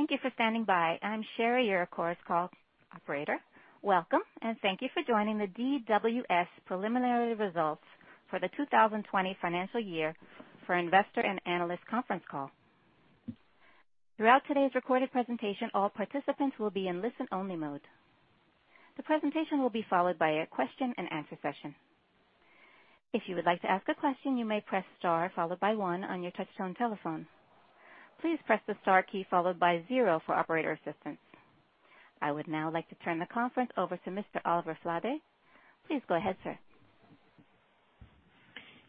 Thank you for standing by. I'm Sherry, your Chorus Call operator. Welcome, and thank you for joining the DWS preliminary results for the 2020 financial year for investor and analyst conference call. Throughout today's recorded presentation, all participants will be in listen-only mode. The presentation will be followed by a question and answer session. If you would like to ask a question, you may press star followed by one on your touchtone telephone. Please press the star key followed by zero for operator assistance. I would now like to turn the conference over to Mr. Oliver Flade. Please go ahead, sir.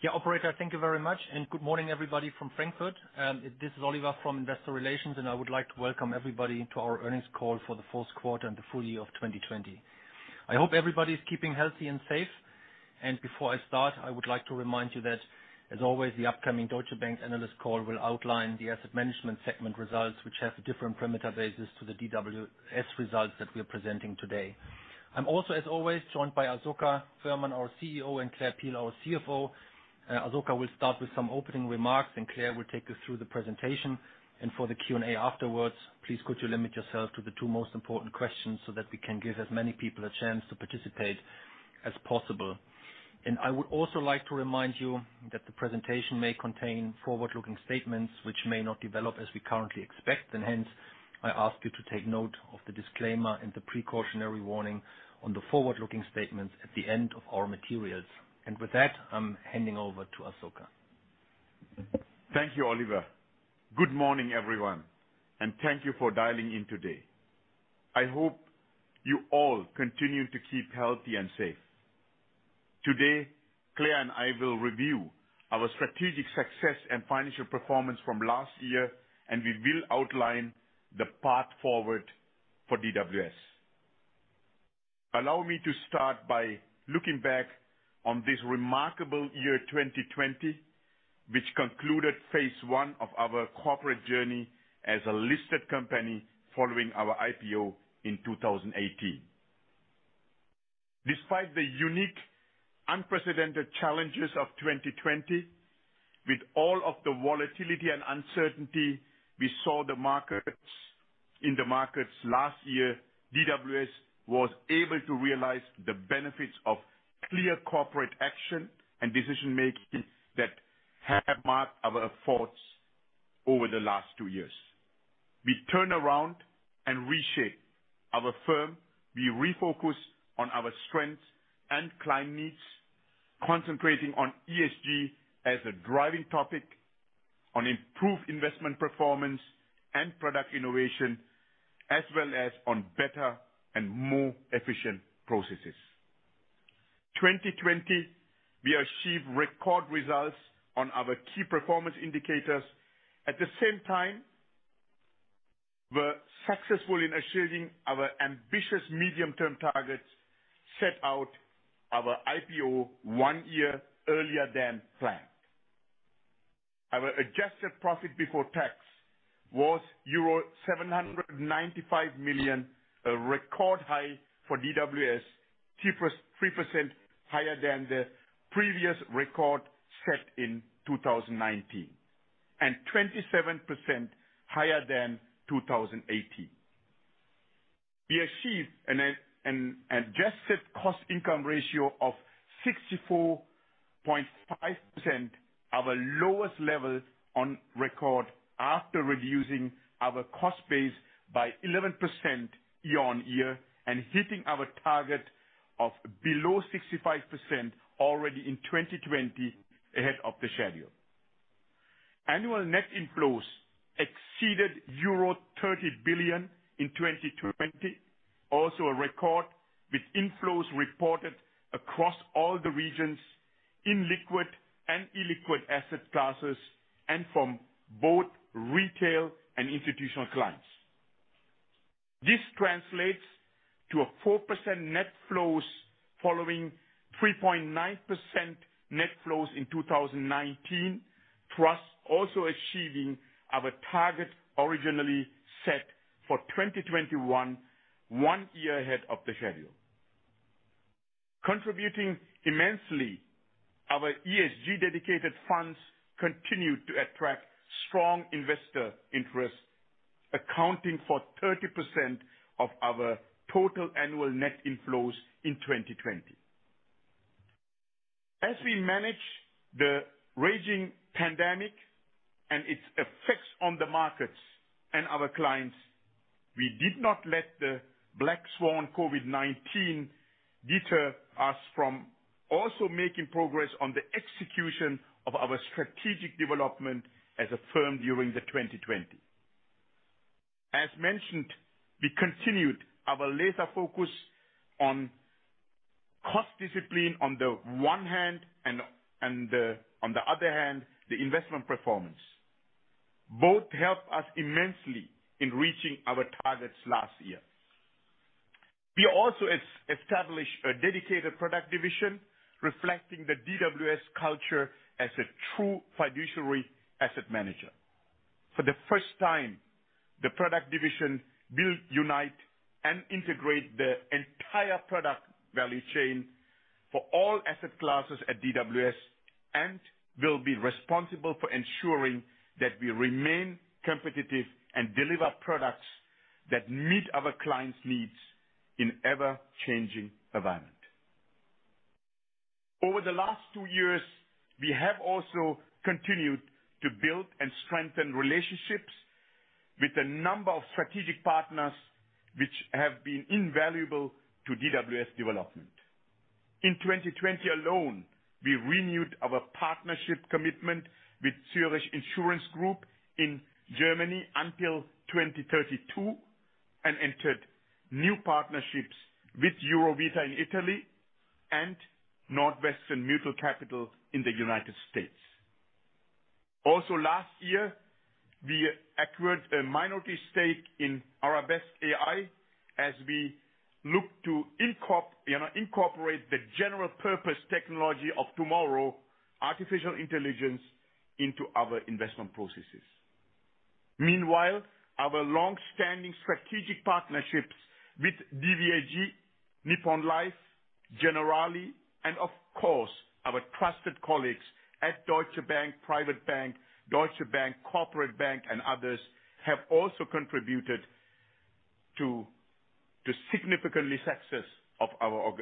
Yeah, operator, thank you very much and good morning everybody from Frankfurt. This is Oliver from Investor Relations. I would like to welcome everybody to our earnings call for the fourth quarter and the full year of 2020. I hope everybody's keeping healthy and safe. Before I start, I would like to remind you that, as always, the upcoming Deutsche Bank analyst call will outline the asset management segment results, which has a different parameter basis to the DWS results that we're presenting today. I'm also, as always, joined by Asoka Woehrmann, our CEO, and Claire Peel, our CFO. Asoka will start with some opening remarks. Claire will take us through the presentation. For the Q&A afterwards, please could you limit yourself to the two most important questions so that we can give as many people a chance to participate as possible. I would also like to remind you that the presentation may contain forward-looking statements which may not develop as we currently expect. Hence, I ask you to take note of the disclaimer and the precautionary warning on the forward-looking statements at the end of our materials. With that, I'm handing over to Asoka. Thank you, Oliver. Good morning, everyone. Thank you for dialing in today. I hope you all continue to keep healthy and safe. Today, Claire and I will review our strategic success and financial performance from last year, and we will outline the path forward for DWS. Allow me to start by looking back on this remarkable year 2020, which concluded phase one of our corporate journey as a listed company following our IPO in 2018. Despite the unique, unprecedented challenges of 2020, with all of the volatility and uncertainty we saw in the markets last year, DWS was able to realize the benefits of clear corporate action and decision-making that have marked our efforts over the last two years. We turned around and reshaped our firm. We refocused on our strengths and client needs, concentrating on ESG as a driving topic, on improved investment performance and product innovation, as well as on better and more efficient processes. 2020, we achieved record results on our key performance indicators. At the same time, we are successful in achieving our ambitious medium-term targets, set out our IPO one year earlier than planned. Our adjusted profit before tax was euro 795 million, a record high for DWS, 3% higher than the previous record set in 2019, and 27% higher than 2018. We achieved an adjusted cost income ratio of 64.5%, our lowest level on record, after reducing our cost base by 11% year-on-year and hitting our target of below 65% already in 2020, ahead of the schedule. Annual net inflows exceeded euro 30 billion in 2020, also a record, with inflows reported across all the regions in liquid and illiquid asset classes and from both retail and institutional clients. This translates to a 4% net flows following 3.9% net flows in 2019, thus also achieving our target originally set for 2021, one year ahead of the schedule. Contributing immensely, our ESG dedicated funds continued to attract strong investor interest, accounting for 30% of our total annual net inflows in 2020. As we manage the raging pandemic and its effects on the markets and our clients, we did not let the black swan COVID-19 deter us from also making progress on the execution of our strategic development as a firm during the 2020. As mentioned, we continued our laser focus on cost discipline on the one hand, and on the other hand, the investment performance. Both helped us immensely in reaching our targets last year. We also established a dedicated product division reflecting the DWS culture as a true fiduciary asset manager. For the first time, the product division will unite and integrate the entire product value chain for all asset classes at DWS, and will be responsible for ensuring that we remain competitive and deliver products that meet our clients' needs in ever-changing environment. Over the last two years, we have also continued to build and strengthen relationships with a number of strategic partners which have been invaluable to DWS development. In 2020 alone, we renewed our partnership commitment with Zurich Insurance Group in Germany until 2032, and entered new partnerships with Eurovita in Italy and Northwestern Mutual Capital in the U.S. Also last year, we acquired a minority stake in Arabesque AI as we look to incorporate the general purpose technology of tomorrow, artificial intelligence, into our investment processes. Meanwhile, our longstanding strategic partnerships with DVAG, Nippon Life, Generali, and of course, our trusted colleagues at Deutsche Bank Private Bank, Deutsche Bank Corporate Bank, and others, have also contributed to the significant success of our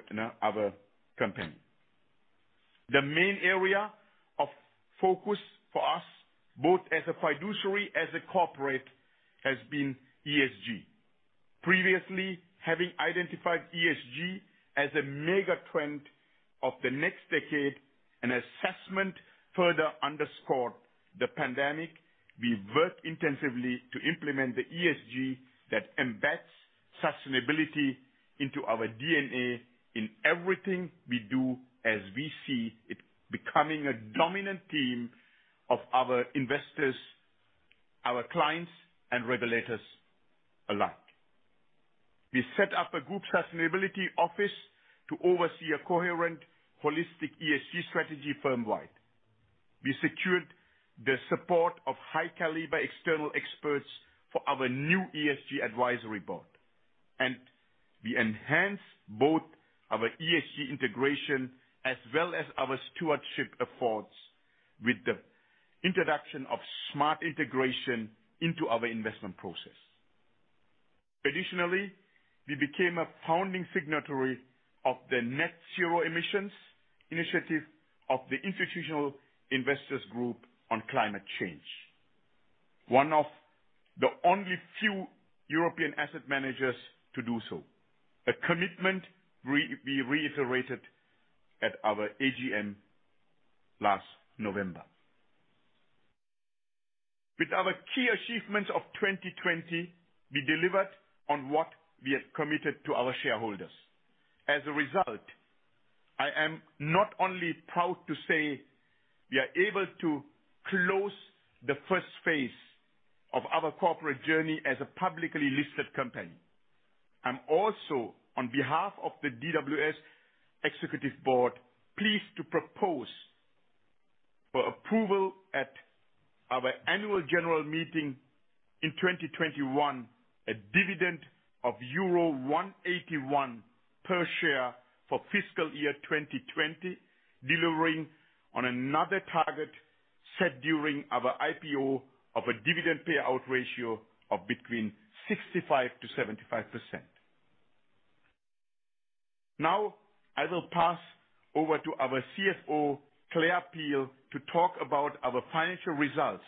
company. The main area of focus for us, both as a fiduciary, as a corporate, has been ESG. Previously, having identified ESG as a mega trend of the next decade, an assessment further underscored the pandemic. We worked intensively to implement the ESG that embeds sustainability into our DNA in everything we do, as we see it becoming a dominant theme of our investors, our clients, and regulators alike. We set up a group sustainability office to oversee a coherent holistic ESG strategy firm-wide. We secured the support of high caliber external experts for our new ESG advisory board. We enhanced both our ESG integration as well as our stewardship efforts with the introduction of Smart Integration into our investment process. Additionally, we became a founding signatory of Net Zero Asset Managers Initiative of the Institutional Investors Group on Climate Change. One of the only few European asset managers to do so. A commitment we reiterated at our AGM last November. With our key achievements of 2020, we delivered on what we had committed to our shareholders. As a result, I am not only proud to say we are able to close the first phase of our corporate journey as a publicly listed company. I'm also, on behalf of the DWS Executive Board, pleased to propose for approval at our Annual General Meeting in 2021, a dividend of euro 1.81 per share for fiscal year 2020, delivering on another target set during our IPO of a dividend payout ratio of between 65%-75%. Now, I will pass over to our CFO, Claire Peel, to talk about our financial results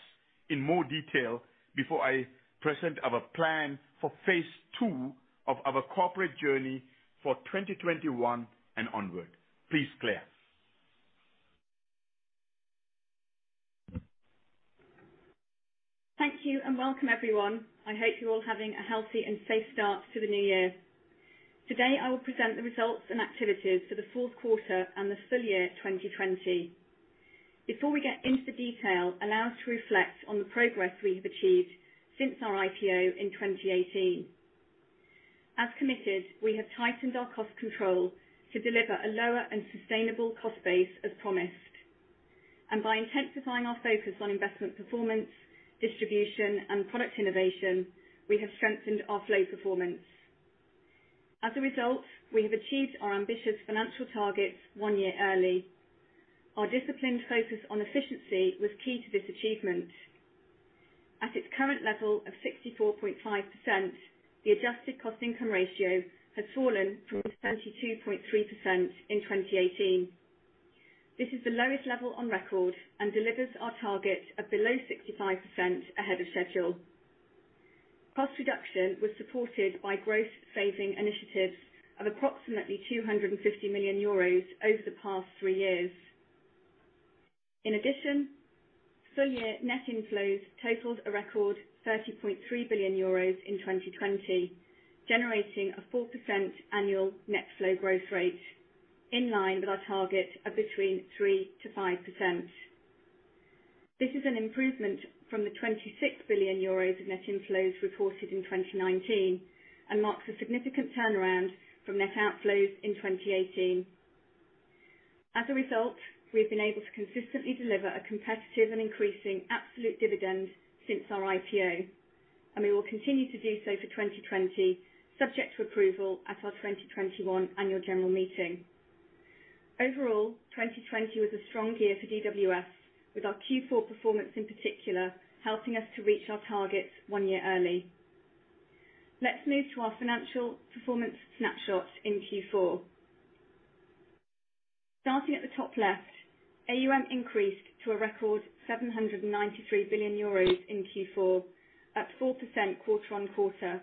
in more detail before I present our plan for phase two of our corporate journey for 2021 and onward. Please, Claire. Thank you, and welcome everyone. I hope you're all having a healthy and safe start to the new year. Today, I will present the results and activities for the fourth quarter and the full year 2020. Before we get into the detail, allow us to reflect on the progress we have achieved since our IPO in 2018. As committed, we have tightened our cost control to deliver a lower and sustainable cost base as promised. By intensifying our focus on investment performance, distribution, and product innovation, we have strengthened our flow performance. As a result, we have achieved our ambitious financial targets one year early. Our disciplined focus on efficiency was key to this achievement. At its current level of 64.5%, the adjusted cost income ratio has fallen from 72.3% in 2018. This is the lowest level on record and delivers our target of below 65% ahead of schedule. Cost reduction was supported by growth-phasing initiatives of approximately EUR 250 million over the past three years. Full-year net inflows totaled a record 30.3 billion euros in 2020, generating a 4% annual net flow growth rate, in line with our target of between 3%-5%. This is an improvement from the 26 billion euros of net inflows reported in 2019, and marks a significant turnaround from net outflows in 2018. We've been able to consistently deliver a competitive and increasing absolute dividend since our IPO. We will continue to do so for 2020, subject to approval at our 2021 Annual General Meeting. 2020 was a strong year for DWS, with our Q4 performance in particular helping us to reach our targets one year early. Let's move to our financial performance snapshot in Q4. Starting at the top left, AUM increased to a record 793 billion euros in Q4, up 4% quarter-on-quarter,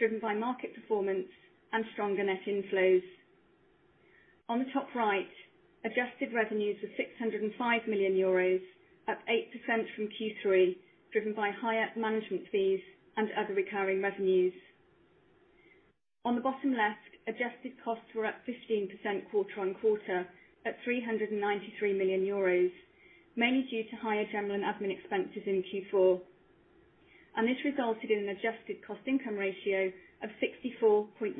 driven by market performance and stronger net inflows. On the top right, adjusted revenues were 605 million euros, up 8% from Q3, driven by higher management fees and other recurring revenues. On the bottom left, adjusted costs were up 15% quarter-on-quarter at 393 million euros, mainly due to higher general and admin expenses in Q4. This resulted in an adjusted cost income ratio of 64.9%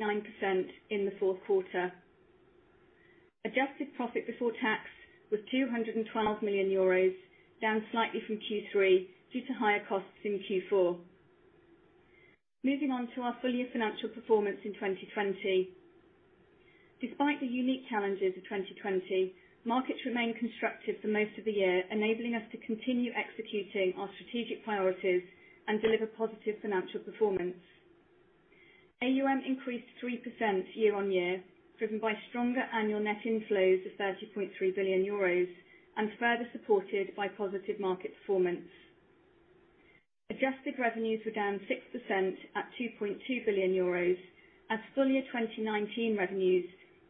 in the fourth quarter. Adjusted profit before tax was EUR 212 million, down slightly from Q3 due to higher costs in Q4. Moving on to our full year financial performance in 2020. Despite the unique challenges of 2020, markets remained constructive for most of the year, enabling us to continue executing our strategic priorities and deliver positive financial performance. AUM increased 3% year-over-year, driven by stronger annual net inflows of 30.3 billion euros and further supported by positive market performance. Adjusted revenues were down 6% at 2.2 billion euros as full year 2019 revenues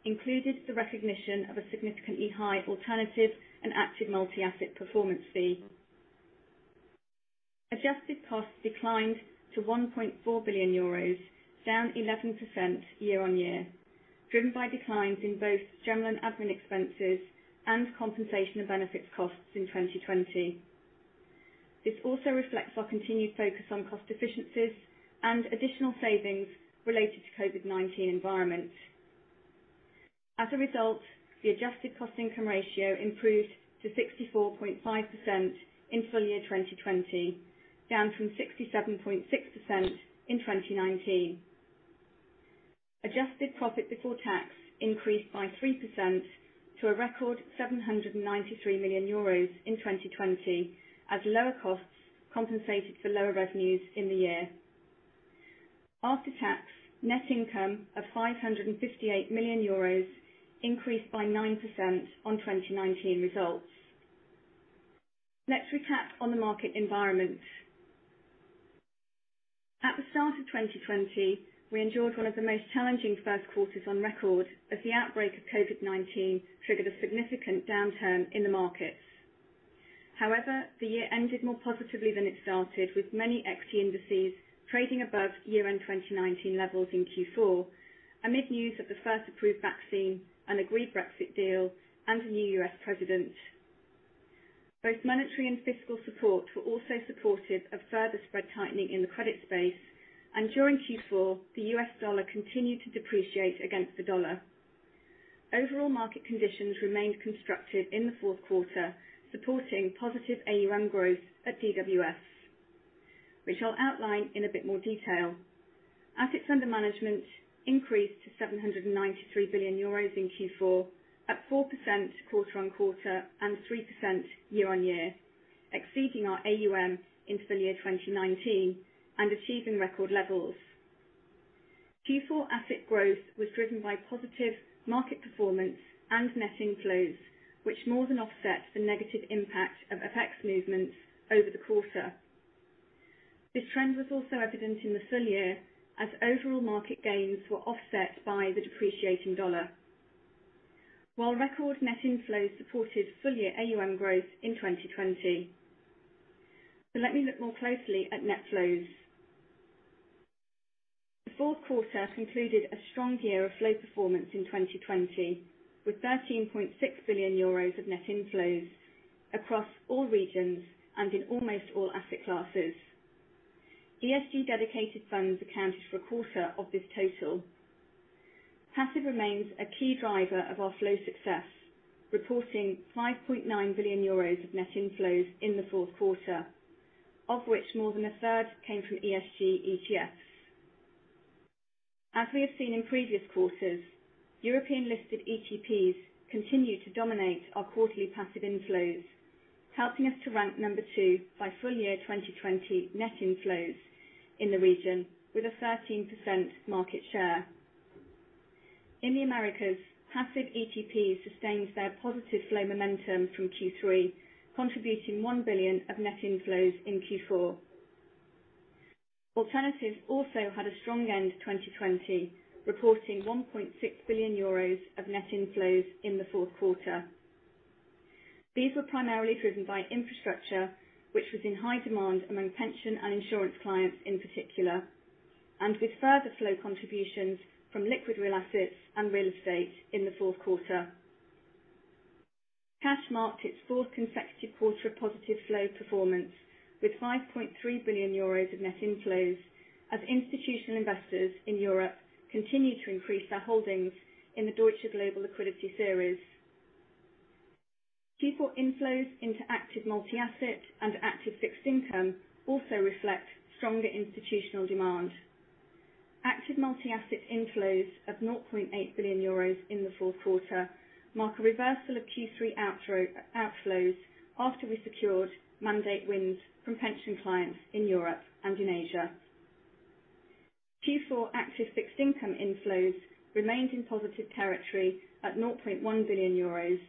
included the recognition of a significantly high alternative and active multi-asset performance fee. Adjusted costs declined to 1.4 billion euros, down 11% year-over-year, driven by declines in both general and admin expenses and compensation and benefits costs in 2020. This also reflects our continued focus on cost efficiencies and additional savings related to COVID-19 environment. As a result, the adjusted cost income ratio improved to 64.5% in full year 2020, down from 67.6% in 2019. Adjusted profit before tax increased by 3% to a record 793 million euros in 2020, as lower costs compensated for lower revenues in the year. After tax, net income of 558 million euros increased by 9% on 2019 results. Let's recap on the market environment. At the start of 2020, we endured one of the most challenging first quarters on record as the outbreak of COVID-19 triggered a significant downturn in the markets. The year ended more positively than it started, with many equity indices trading above year-end 2019 levels in Q4 amid news of the first approved vaccine, an agreed Brexit deal, and a new U.S. president. Both monetary and fiscal support were also supportive of further spread tightening in the credit space, and during Q4, the U.S. dollar continued to depreciate against the euro. Overall market conditions remained constructive in the fourth quarter, supporting positive AUM growth at DWS, which I'll outline in a bit more detail. Assets under management increased to 793 billion euros in Q4, at 4% quarter-on-quarter and 3% year-on-year, exceeding our AUM in full year 2019 and achieving record levels. Q4 asset growth was driven by positive market performance and net inflows, which more than offset the negative impact of FX movements over the quarter. This trend was also evident in the full year as overall market gains were offset by the depreciating USD, while record net inflows supported full year AUM growth in 2020. Let me look more closely at net flows. The fourth quarter concluded a strong year of flow performance in 2020, with 13.6 billion euros of net inflows across all regions and in almost all asset classes. ESG dedicated funds accounted for a quarter of this total. Passive remains a key driver of our flow success, reporting 5.9 billion euros of net inflows in the fourth quarter, of which more than a third came from ESG ETFs. As we have seen in previous quarters, European-listed ETPs continued to dominate our quarterly passive inflows, helping us to rank number two by full year 2020 net inflows in the region with a 13% market share. In the Americas, passive ETPs sustained their positive flow momentum from Q3, contributing 1 billion of net inflows in Q4. Alternatives also had a strong end to 2020, reporting 1.6 billion euros of net inflows in the fourth quarter. These were primarily driven by infrastructure, which was in high demand among pension and insurance clients in particular, and with further flow contributions from liquid real assets and real estate in the fourth quarter. Cash marked its fourth consecutive quarter of positive flow performance with 5.3 billion euros of net inflows as institutional investors in Europe continued to increase their holdings in the Deutsche Global Liquidity Series. q4 inflows into active multi-asset and active fixed income also reflect stronger institutional demand. Active multi-asset inflows of 0.8 billion euros in the fourth quarter mark a reversal of Q3 outflows after we secured mandate wins from pension clients in Europe and in Asia. Q4 active fixed income inflows remained in positive territory at 0.1 billion euros,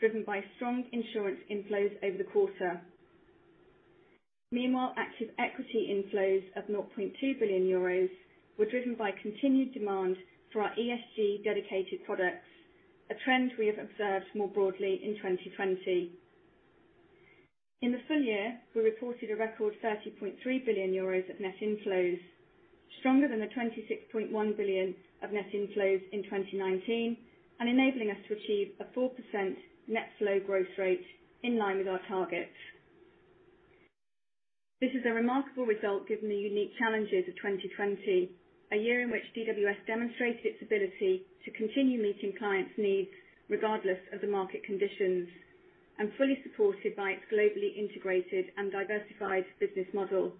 driven by strong insurance inflows over the quarter. Meanwhile, active equity inflows of 0.2 billion euros were driven by continued demand for our ESG dedicated products, a trend we have observed more broadly in 2020. In the full year, we reported a record 30.3 billion euros of net inflows, stronger than the 26.1 billion of net inflows in 2019 and enabling us to achieve a 4% net flow growth rate in line with our targets. This is a remarkable result given the unique challenges of 2020, a year in which DWS demonstrated its ability to continue meeting clients' needs regardless of the market conditions, and fully supported by its globally integrated and diversified business model.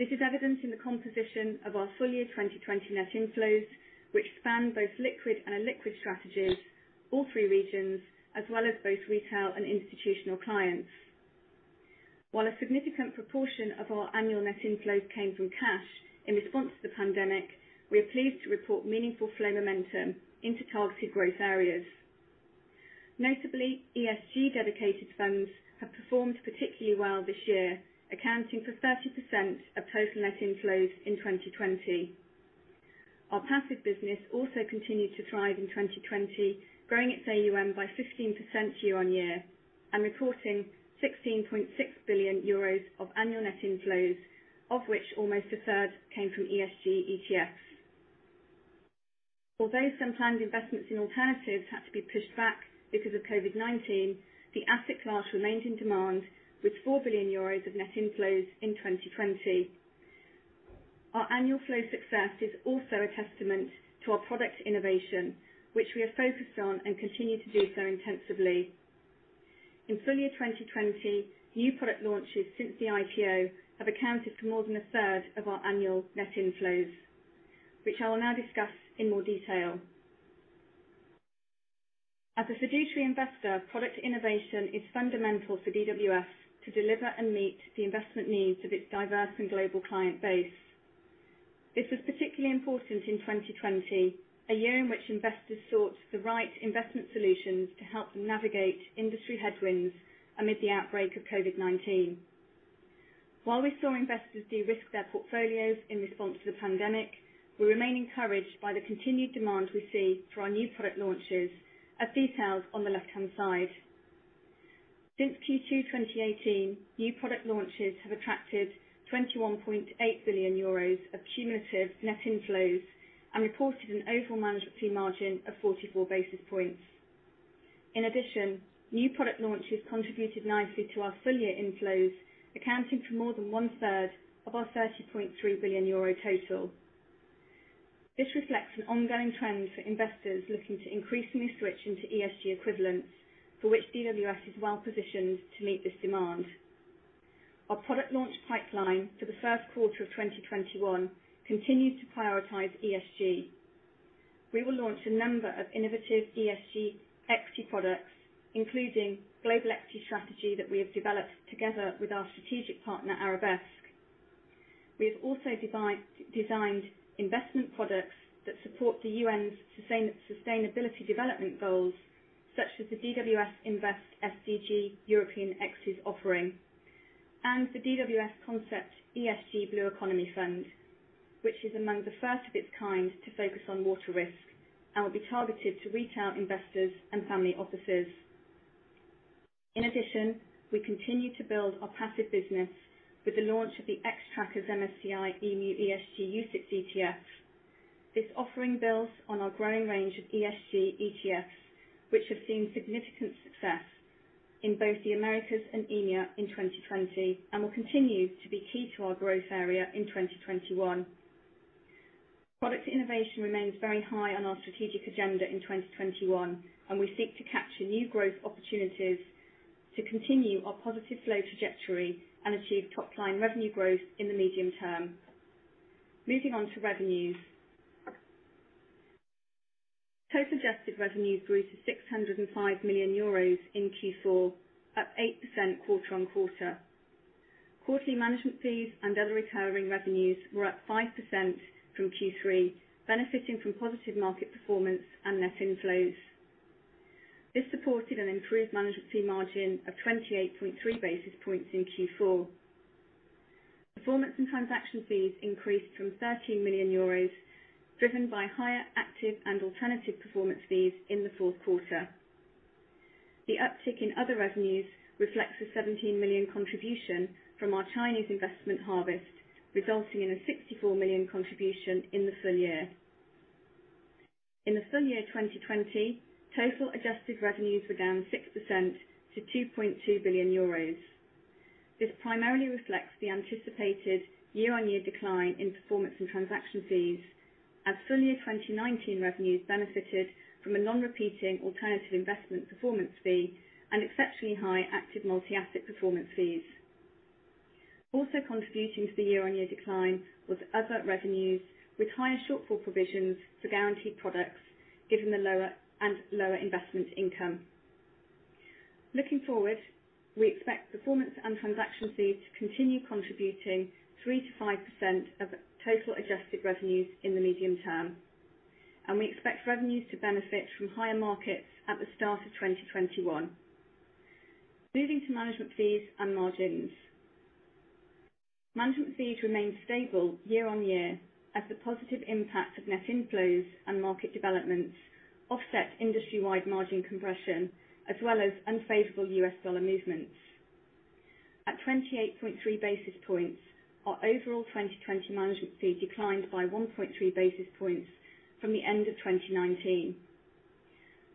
This is evidenced in the composition of our full year 2020 net inflows, which span both liquid and illiquid strategies, all three regions, as well as both retail and institutional clients. While a significant proportion of our annual net inflows came from cash in response to the pandemic, we are pleased to report meaningful flow momentum into targeted growth areas. Notably, ESG dedicated funds have performed particularly well this year, accounting for 30% of total net inflows in 2020. Our passive business also continued to thrive in 2020, growing its AUM by 15% year-on-year and reporting 16.6 billion euros of annual net inflows, of which almost a third came from ESG ETFs. Although some planned investments in alternatives had to be pushed back because of COVID-19, the asset class remained in demand with 4 billion euros of net inflows in 2020. Our annual flow success is also a testament to our product innovation, which we are focused on and continue to do so intensively. In full year 2020, new product launches since the IPO have accounted for more than a third of our annual net inflows, which I will now discuss in more detail. As a fiduciary investor, product innovation is fundamental for DWS to deliver and meet the investment needs of its diverse and global client base. This was particularly important in 2020, a year in which investors sought the right investment solutions to help them navigate industry headwinds amid the outbreak of COVID-19. While we saw investors de-risk their portfolios in response to the pandemic, we remain encouraged by the continued demand we see for our new product launches as detailed on the left-hand side. Since Q2 2018, new product launches have attracted 21.8 billion euros of cumulative net inflows and reported an overall management fee margin of 44 basis points. In addition, new product launches contributed nicely to our full year inflows, accounting for more than one third of our 30.3 billion euro total. This reflects an ongoing trend for investors looking to increasingly switch into ESG equivalents, for which DWS is well positioned to meet this demand. Our product launch pipeline for the first quarter of 2021 continues to prioritize ESG. We will launch a number of innovative ESG equity products, including global equity strategy that we have developed together with our strategic partner, Arabesque. We have also designed investment products that support the UN's Sustainable Development Goals, such as the DWS Invest SDG European Equities offering, and the DWS Concept ESG Blue Economy Fund, which is among the first of its kind to focus on water risk and will be targeted to retail investors and family offices. In addition, we continue to build our passive business with the launch of the Xtrackers MSCI EMU ESG UCITS ETF. This offering builds on our growing range of ESG ETFs, which have seen significant success in both the Americas and EMEA in 2020 and will continue to be key to our growth area in 2021. Product innovation remains very high on our strategic agenda in 2021, and we seek to capture new growth opportunities to continue our positive flow trajectory and achieve top line revenue growth in the medium term. Moving on to revenues. Total adjusted revenues grew to 605 million euros in Q4, up 8% quarter-on-quarter. Quarterly management fees and other recurring revenues were up 5% from Q3, benefiting from positive market performance and net inflows. This supported an improved management fee margin of 28.3 basis points in Q4. Performance and transaction fees increased from 13 million euros, driven by higher active and alternative performance fees in the fourth quarter. The uptick in other revenues reflects a 17 million contribution from our Chinese investment Harvest, resulting in a 64 million contribution in the full year. In the full year 2020, total adjusted revenues were down 6% to 2.2 billion euros. This primarily reflects the anticipated year-on-year decline in performance and transaction fees as full year 2019 revenues benefited from a non-repeating alternative investment performance fee and exceptionally high active multi-asset performance fees. Also contributing to the year-on-year decline was other revenues with higher shortfall provisions for guaranteed products given the lower and lower investment income. Looking forward, we expect performance and transaction fees to continue contributing 3%-5% of total adjusted revenues in the medium term. We expect revenues to benefit from higher markets at the start of 2021. Moving to management fees and margins. Management fees remained stable year-on-year as the positive impact of net inflows and market developments offset industry-wide margin compression, as well as unfavorable U.S. dollar movements. At 28.3 basis points, our overall 2020 management fee declined by 1.3 basis points from the end of 2019.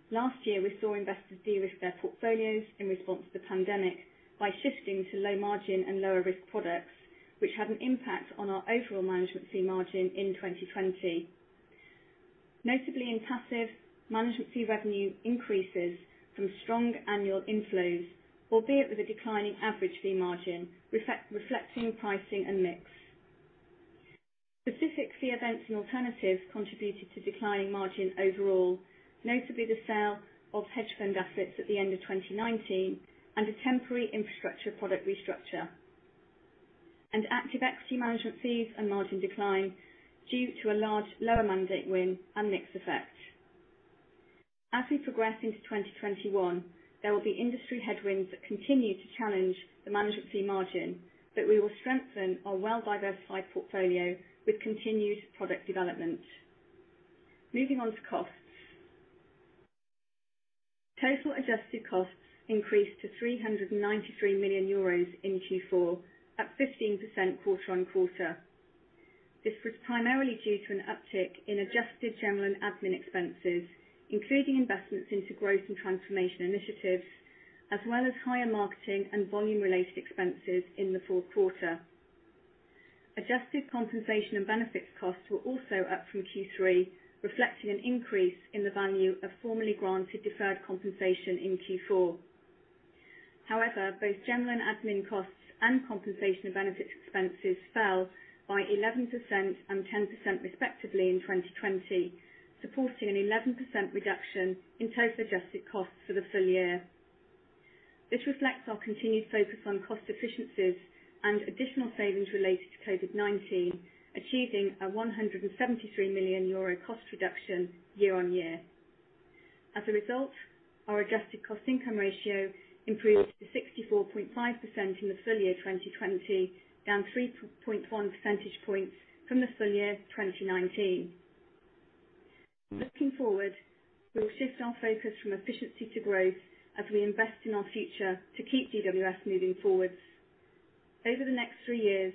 Last year, we saw investors de-risk their portfolios in response to the pandemic by shifting to low margin and lower risk products, which had an impact on our overall management fee margin in 2020. Notably in Passive, management fee revenue increases from strong annual inflows, albeit with a declining average fee margin reflecting pricing and mix. Specific fee events and Alternatives contributed to declining margin overall, notably the sale of hedge fund assets at the end of 2019 and a temporary infrastructure product restructure. Active Equity management fees and margin decline due to a large lower mandate win and mix effect. As we progress into 2021, there will be industry headwinds that continue to challenge the management fee margin, but we will strengthen our well-diversified portfolio with continued product development. Moving on to costs. Total adjusted costs increased to 393 million euros in Q4 at 15% quarter-on-quarter. This was primarily due to an uptick in adjusted general and admin expenses, including investments into growth and transformation initiatives, as well as higher marketing and volume related expenses in the fourth quarter. Adjusted compensation and benefits costs were also up from Q3, reflecting an increase in the value of formerly granted deferred compensation in Q4. However, both general and admin costs and compensation and benefits expenses fell by 11% and 10% respectively in 2020, supporting an 11% reduction in total adjusted costs for the full year. This reflects our continued focus on cost efficiencies and additional savings related to COVID-19, achieving a 173 million euro cost reduction year-on-year. As a result, our adjusted cost income ratio improved to 64.5% in the full year 2020, down 3.1 percentage points from the full year 2019. Looking forward, we will shift our focus from efficiency to growth as we invest in our future to keep DWS moving forward. Over the next three years,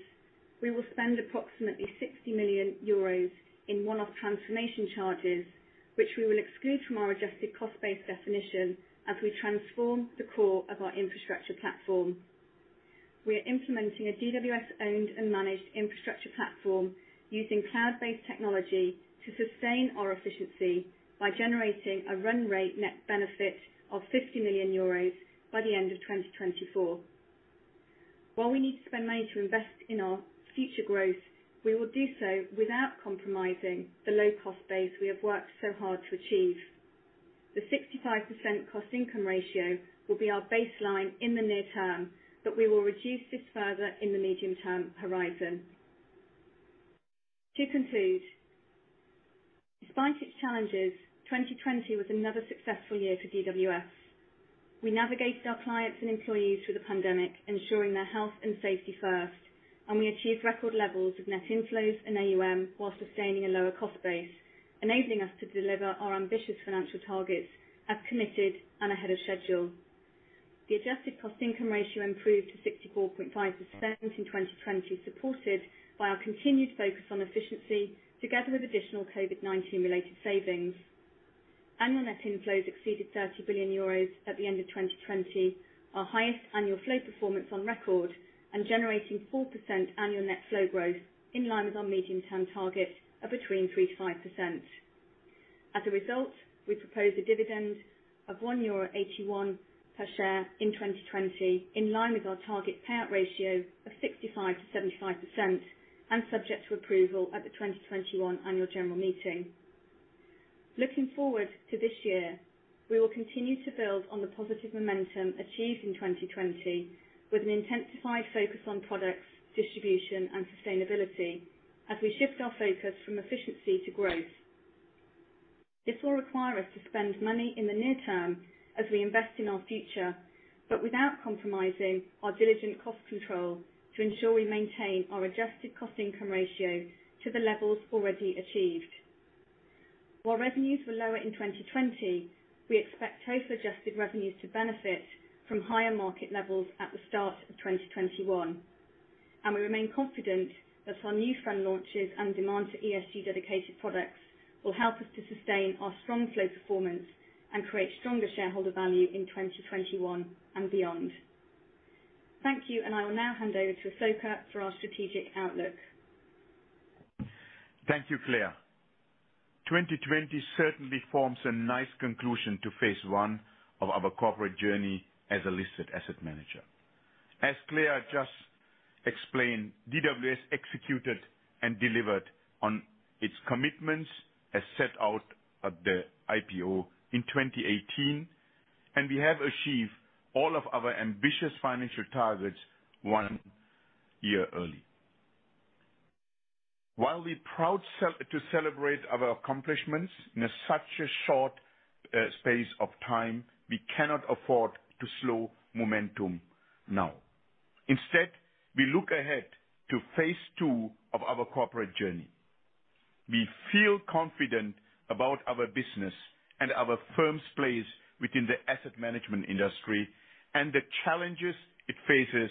we will spend approximately 60 million euros in one-off transformation charges, which we will exclude from our adjusted cost base definition as we transform the core of our infrastructure platform. We are implementing a DWS owned and managed infrastructure platform using cloud-based technology to sustain our efficiency by generating a run rate net benefit of 50 million euros by the end of 2024. While we need to spend money to invest in our future growth, we will do so without compromising the low cost base we have worked so hard to achieve. The 65% cost income ratio will be our baseline in the near term, but we will reduce this further in the medium term horizon. To conclude, despite its challenges, 2020 was another successful year for DWS. We navigated our clients and employees through the pandemic, ensuring their health and safety first, and we achieved record levels of net inflows and AUM while sustaining a lower cost base, enabling us to deliver our ambitious financial targets as committed and ahead of schedule. The adjusted cost income ratio improved to 64.5% in 2020, supported by our continued focus on efficiency together with additional COVID-19 related savings. Annual net inflows exceeded 30 billion euros at the end of 2020, our highest annual flow performance on record, and generating 4% annual net flow growth in line with our medium-term target of between 3%-5%. As a result, we propose a dividend of 1.81 euro per share in 2020, in line with our target payout ratio of 65%-75% and subject to approval at the 2021 annual general meeting. Looking forward to this year, we will continue to build on the positive momentum achieved in 2020 with an intensified focus on products, distribution, and sustainability as we shift our focus from efficiency to growth. This will require us to spend money in the near term as we invest in our future, but without compromising our diligent cost control to ensure we maintain our adjusted cost income ratio to the levels already achieved. While revenues were lower in 2020, we expect total adjusted revenues to benefit from higher market levels at the start of 2021. We remain confident that our new fund launches and demand for ESG dedicated products will help us to sustain our strong flow performance and create stronger shareholder value in 2021 and beyond. Thank you, and I will now hand over to Asoka for our strategic outlook. Thank you, Claire. 2020 certainly forms a nice conclusion to phase one of our corporate journey as a listed asset manager. As Claire just explained, DWS executed and delivered on its commitments as set out at the IPO in 2018, and we have achieved all of our ambitious financial targets one year early. While we're proud to celebrate our accomplishments in such a short space of time, we cannot afford to slow momentum now. Instead, we look ahead to phase two of our corporate journey. We feel confident about our business and our firm's place within the asset management industry and the challenges it faces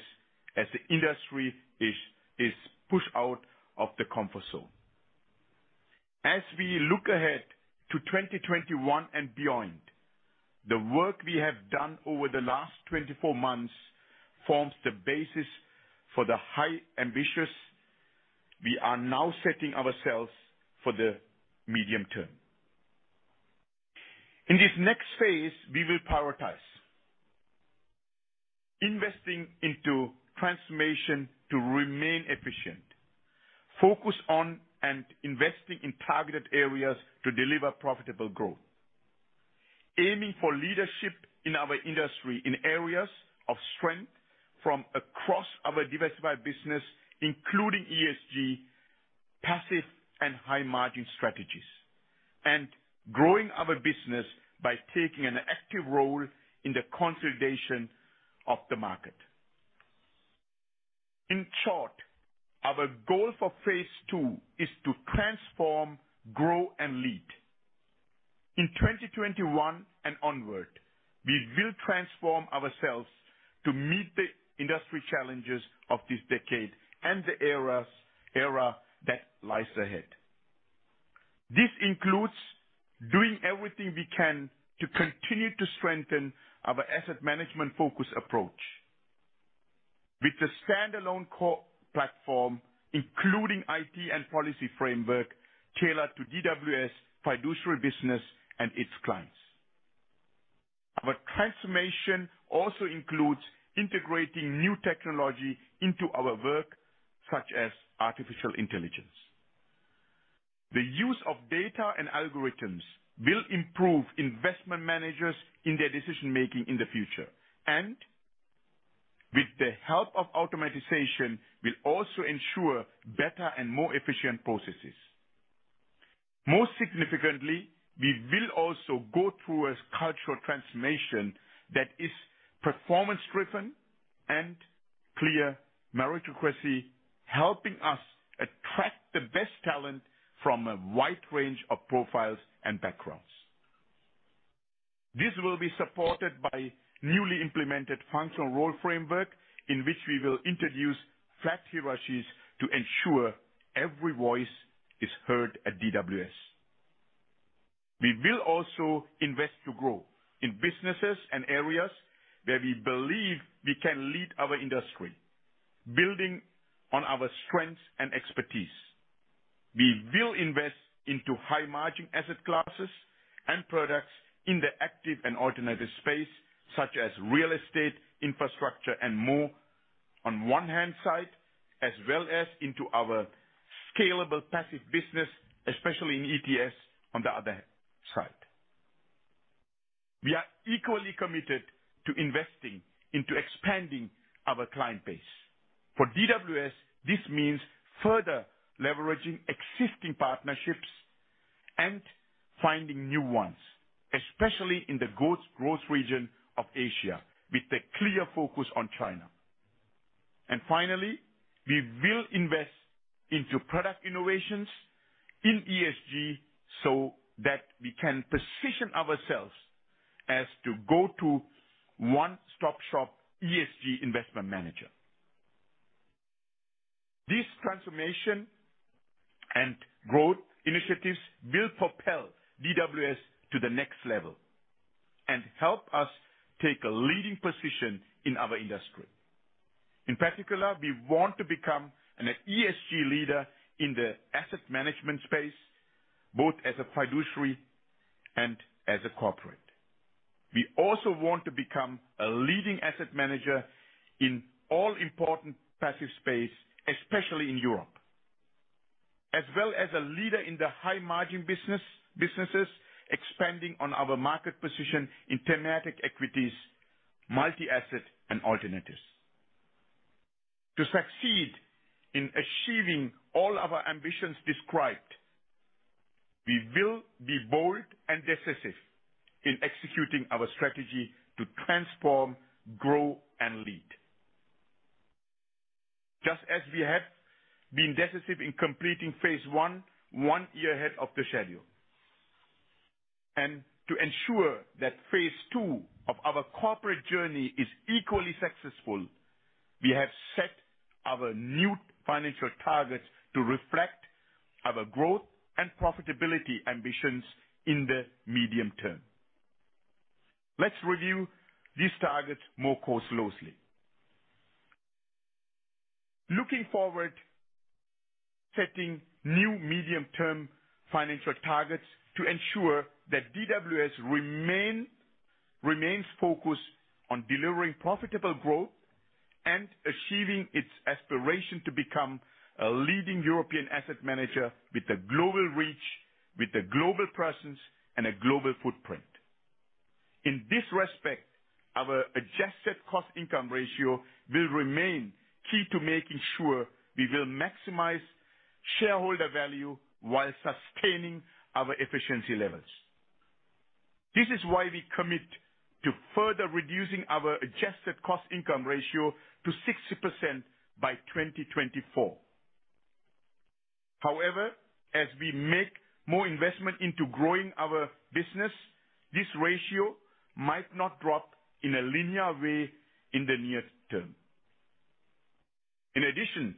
as the industry is pushed out of the comfort zone. As we look ahead to 2021 and beyond, the work we have done over the last 24 months forms the basis for the high ambitious we are now setting ourselves for the medium term. In this next phase, we will prioritize investing into transformation to remain efficient, focus on and investing in targeted areas to deliver profitable growth, aiming for leadership in our industry in areas of strength from across our diversified business, including ESG, passive and high margin strategies, and growing our business by taking an active role in the consolidation of the market. In short, our goal for phase two is to transform, grow, and lead. In 2021 and onward, we will transform ourselves to meet the industry challenges of this decade and the era that lies ahead. This includes doing everything we can to continue to strengthen our asset management focus approach with a standalone core platform, including IT and policy framework tailored to DWS fiduciary business and its clients. Our transformation also includes integrating new technology into our work, such as artificial intelligence. The use of data and algorithms will improve investment managers in their decision-making in the future and with the help of automation will also ensure better and more efficient processes. Most significantly, we will also go through a cultural transformation that is performance-driven and clear meritocracy, helping us attract the best talent from a wide range of profiles and backgrounds. This will be supported by newly implemented functional role framework in which we will introduce flat hierarchies to ensure every voice is heard at DWS. We will also invest to grow in businesses and areas where we believe we can lead our industry, building on our strengths and expertise. We will invest into high margin asset classes and products in the active and alternative space such as real estate, infrastructure, and more on one hand side as well as into our scalable passive business, especially in ETFs on the other side. We are equally committed to investing into expanding our client base. For DWS, this means further leveraging existing partnerships and finding new ones, especially in the growth region of Asia with a clear focus on China. Finally, we will invest into product innovations in ESG so that we can position ourselves as the go-to one-stop shop ESG investment manager. These transformation and growth initiatives will propel DWS to the next level and help us take a leading position in our industry. In particular, we want to become an ESG leader in the asset management space, both as a fiduciary and as a corporate. We also want to become a leading asset manager in all important passive space, especially in Europe. As well as a leader in the high margin businesses expanding on our market position in thematic equities, multi-asset and alternatives. To succeed in achieving all our ambitions described, we will be bold and decisive in executing our strategy to transform, grow and lead. Just as we have been decisive in completing phase one, one year ahead of the schedule. To ensure that phase two of our corporate journey is equally successful, we have set our new financial targets to reflect our growth and profitability ambitions in the medium term. Let's review these targets more closely. Looking forward, setting new medium-term financial targets to ensure that DWS remains focused on delivering profitable growth and achieving its aspiration to become a leading European asset manager with a global reach, with a global presence, and a global footprint. In this respect, our adjusted cost-income ratio will remain key to making sure we will maximize shareholder value while sustaining our efficiency levels. This is why we commit to further reducing our adjusted cost-income ratio to 60% by 2024. However, as we make more investment into growing our business, this ratio might not drop in a linear way in the near term. In addition,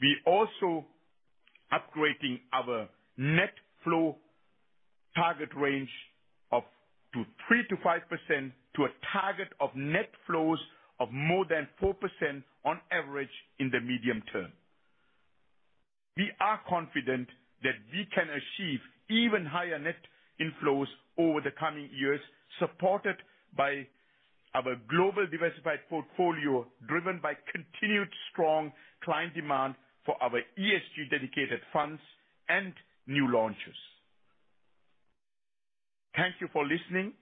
we're also upgrading our net flow target range of 3%-5% to a target of net flows of more than 4% on average in the medium term. We are confident that we can achieve even higher net inflows over the coming years, supported by our global diversified portfolio, driven by continued strong client demand for our ESG dedicated funds and new launches. Thank you for listening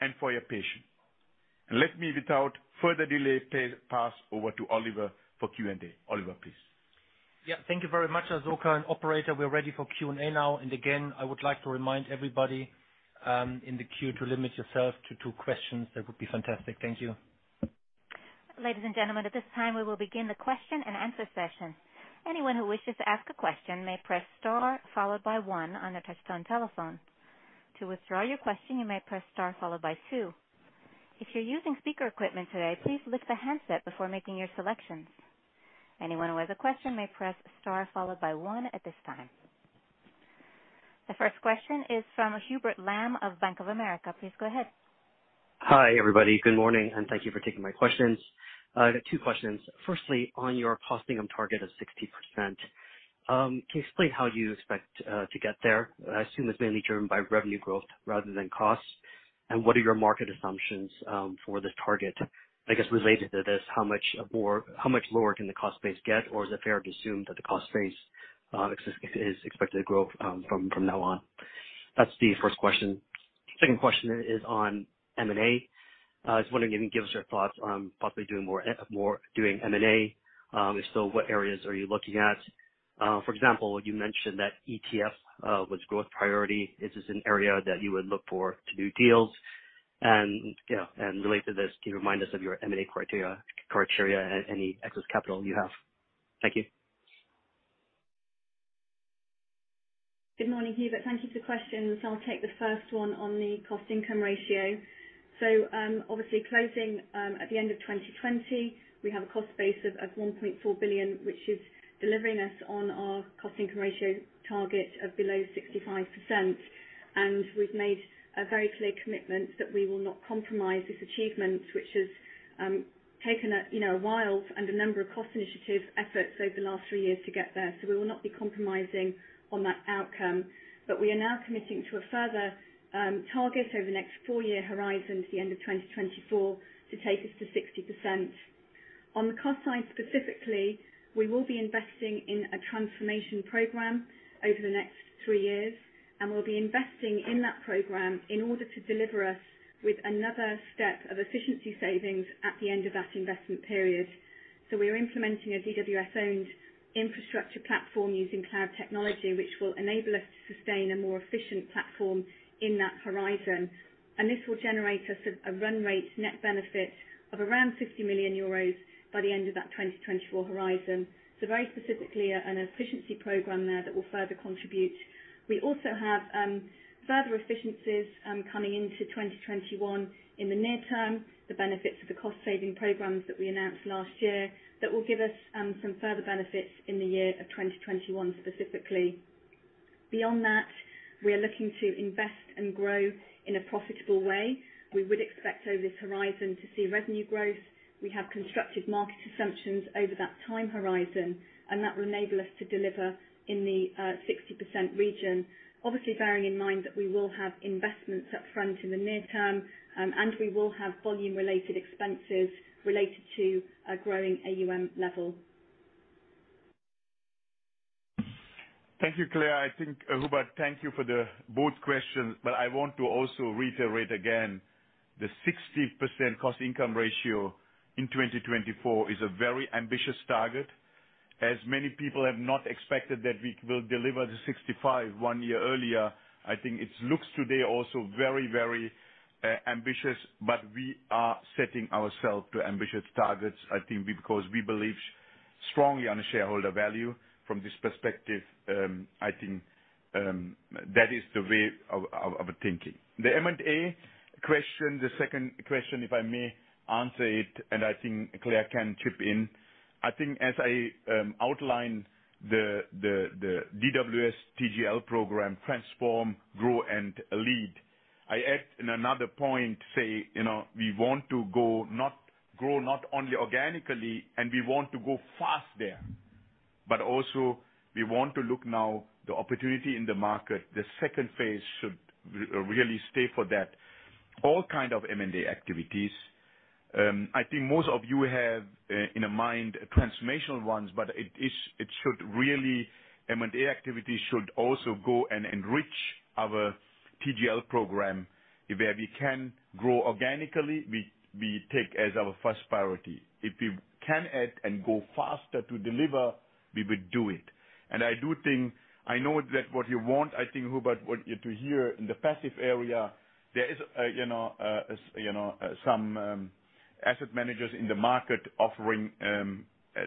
and for your patience. Let me, without further delay, pass over to Oliver for Q&A. Oliver, please. Yeah. Thank you very much, Asoka and operator. We're ready for Q&A now. Again, I would like to remind everybody in the queue to limit yourself to two questions. That would be fantastic. Thank you. Ladies and gentlemen, at this time, we will begin the question and answer session. Anyone who wishes to ask a question may press star followed by one on your telephone keypad, to withdraw your question you may press star followed by two, if you're using a speakerphone, please lift your handset before making a selection, to withdraw your question please press star then two, anyone who wishes to ask a question may press one at this time. The first question is from Hubert Lam of Bank of America. Please go ahead. Hi, everybody. Good morning, and thank you for taking my questions. I've got two questions. Firstly, on your cost income target of 60%, can you explain how you expect to get there? I assume it is mainly driven by revenue growth rather than costs. What are your market assumptions for this target? I guess related to this, how much lower can the cost base get? Is it fair to assume that the cost base is expected to grow from now on? That is the first question. Second question is on M&A. I was wondering if you can give us your thoughts on possibly doing more M&A. If so, what areas are you looking at? For example, you mentioned that ETF was growth priority. Is this an area that you would look for to do deals? Related to this, can you remind us of your M&A criteria and any excess capital you have? Thank you. Good morning, Hubert. Thank you for the questions. I'll take the first one on the cost-income ratio. Obviously closing at the end of 2020, we have a cost base of 1.4 billion, which is delivering us on our cost-income ratio target of below 65%. We've made a very clear commitment that we will not compromise this achievement, which has taken a while and a number of cost initiative efforts over the last three years to get there. We will not be compromising on that outcome. We are now committing to a further target over the next four-year horizon to the end of 2024 to take us to 60%. On the cost side, specifically, we will be investing in a transformation program over the next three years. We'll be investing in that program in order to deliver us with another step of efficiency savings at the end of that investment period. We are implementing a DWS-owned infrastructure platform using cloud technology, which will enable us to sustain a more efficient platform in that horizon. This will generate us a run rate net benefit of around 50 million euros by the end of that 2024 horizon. Very specifically, an efficiency program there that will further contribute. We also have further efficiencies coming into 2021. In the near term, the benefits of the cost-saving programs that we announced last year, that will give us some further benefits in the year of 2021, specifically. Beyond that, we are looking to invest and grow in a profitable way. We would expect over this horizon to see revenue growth. We have constructed market assumptions over that time horizon, and that will enable us to deliver in the 60% region. Obviously, bearing in mind that we will have investments up front in the near term, and we will have volume-related expenses related to a growing AUM level. Thank you, Claire. I think, Hubert, thank you for both questions. I want to also reiterate again the 60% cost-income ratio in 2024 is a very ambitious target. As many people have not expected that we will deliver the 65% one year earlier, I think it looks today also very ambitious, we are setting ourselves to ambitious targets, I think because we believe. Strongly on shareholder value. From this perspective, I think that is the way of thinking. The M&A question, the second question, if I may answer it, and I think Claire can chip in. I think as I outlined the DWS TGL program, transform, grow, and lead. I add in another point, say, we want to grow not only organically, and we want to go fast there. Also we want to look now the opportunity in the market. The second phase should really stay for that. All kind of M&A activities. I think most of you have in mind transformational ones, but M&A activities should also go and enrich our TGL program where we can grow organically, we take as our first priority. If we can add and go faster to deliver, we will do it. I know that what you want, I think, Hubert, what you do here in the passive area, there is some asset managers in the market offering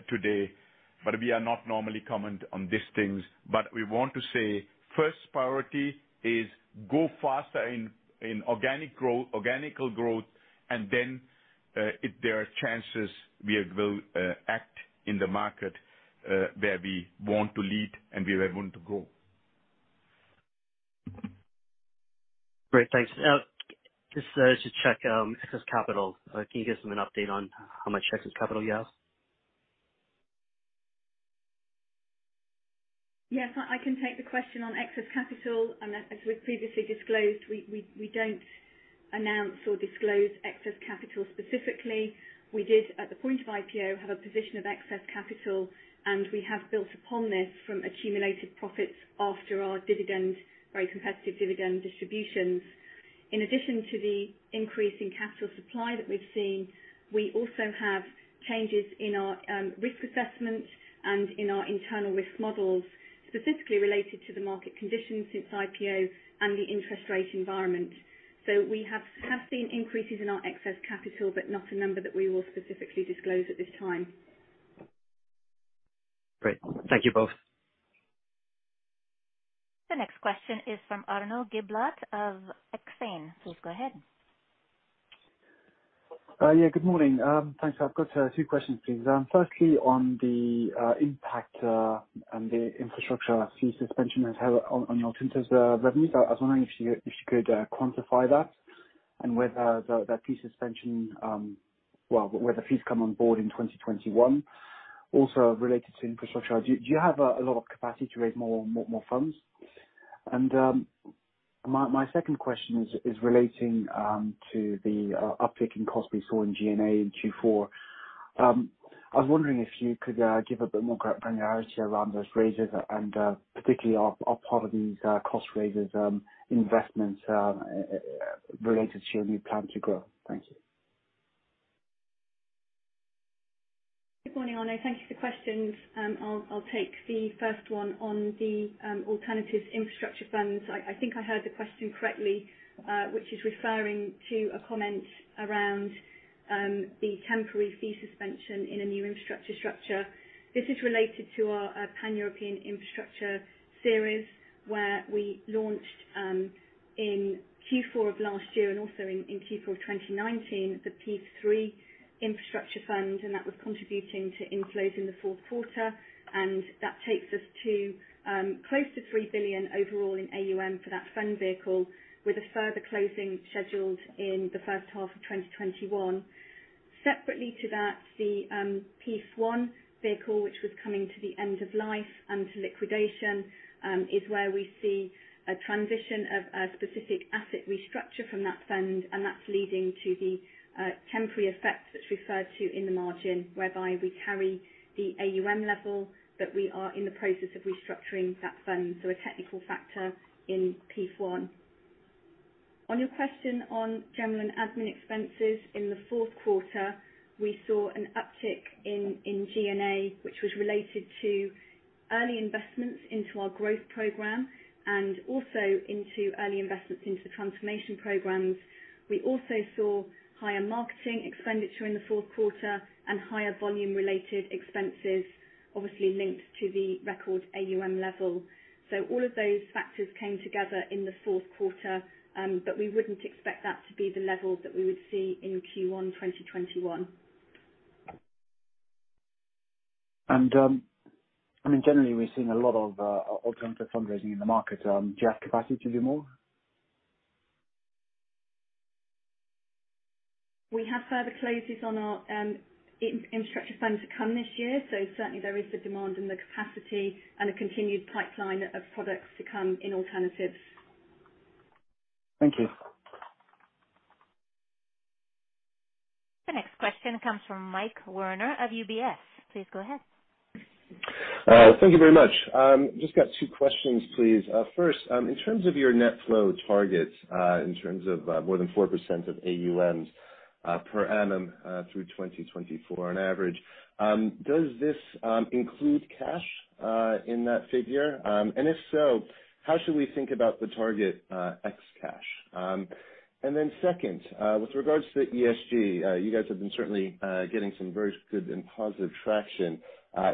today, but we are not normally comment on these things. We want to say first priority is go faster in organic growth, and then if there are chances, we will act in the market, where we want to lead and where we want to grow. Great. Thanks. Just to check excess capital. Can you give us an update on how much excess capital you have? Yes, I can take the question on excess capital. As we've previously disclosed, we don't announce or disclose excess capital specifically. We did, at the point of IPO, have a position of excess capital, and we have built upon this from accumulated profits after our very competitive dividend distributions. In addition to the increase in capital supply that we've seen, we also have changes in our risk assessment and in our internal risk models, specifically related to the market conditions since IPO and the interest rate environment. We have seen increases in our excess capital, but not a number that we will specifically disclose at this time. Great. Thank you both. The next question is from Arnaud Giblat of Exane. Please go ahead. Yeah, good morning. Thanks. I've got two questions, please. Firstly, on the impact and the infrastructure fee suspension has had on your alternatives revenues. I was wondering if you could quantify that and whether that fee suspension, well, where the fees come on board in 2021. Also related to infrastructure, do you have a lot of capacity to raise more funds? My second question is relating to the uptick in costs we saw in G&A in Q4. I was wondering if you could give a bit more granularity around those raises and particularly are part of these cost raises investments related to your new plan to grow. Thank you. Good morning, Arnaud. Thank you for questions. I'll take the first one on the alternatives infrastructure funds. I think I heard the question correctly, which is referring to a comment around the temporary fee suspension in a new infrastructure structure. This is related to our Pan-European infrastructure series where we launched, in Q4 of last year and also in Q4 2019, the PEIF III infrastructure fund, and that was contributing to inflows in the fourth quarter. That takes us to close to 3 billion overall in AUM for that fund vehicle with a further closing scheduled in the first half of 2021. Separately to that, the PEIF I vehicle, which was coming to the end of life and to liquidation, is where we see a transition of a specific asset restructure from that fund, and that's leading to the temporary effect that's referred to in the margin, whereby we carry the AUM level that we are in the process of restructuring that fund. A technical factor in PEIF I. On your question on general and admin expenses in the fourth quarter, we saw an uptick in G&A, which was related to early investments into our Growth Program and also into early investments into the Transformation Programs. We also saw higher marketing expenditure in the fourth quarter and higher volume-related expenses, obviously linked to the record AUM level. All of those factors came together in the fourth quarter, but we wouldn't expect that to be the level that we would see in Q1 2021. I mean, generally, we're seeing a lot of alternative fundraising in the market. Do you have capacity to do more? We have further closes on our infrastructure fund to come this year. Certainly there is the demand and the capacity and a continued pipeline of products to come in alternatives. Thank you. The next question comes from Mike Werner of UBS. Please go ahead. Thank you very much. Just got two questions, please. First, in terms of your net flow targets, in terms of more than 4% of AUM per annum through 2024 on average, does this include cash in that figure? If so, how should we think about the target ex-cash? Second, with regards to the ESG, you guys have been certainly getting some very good and positive traction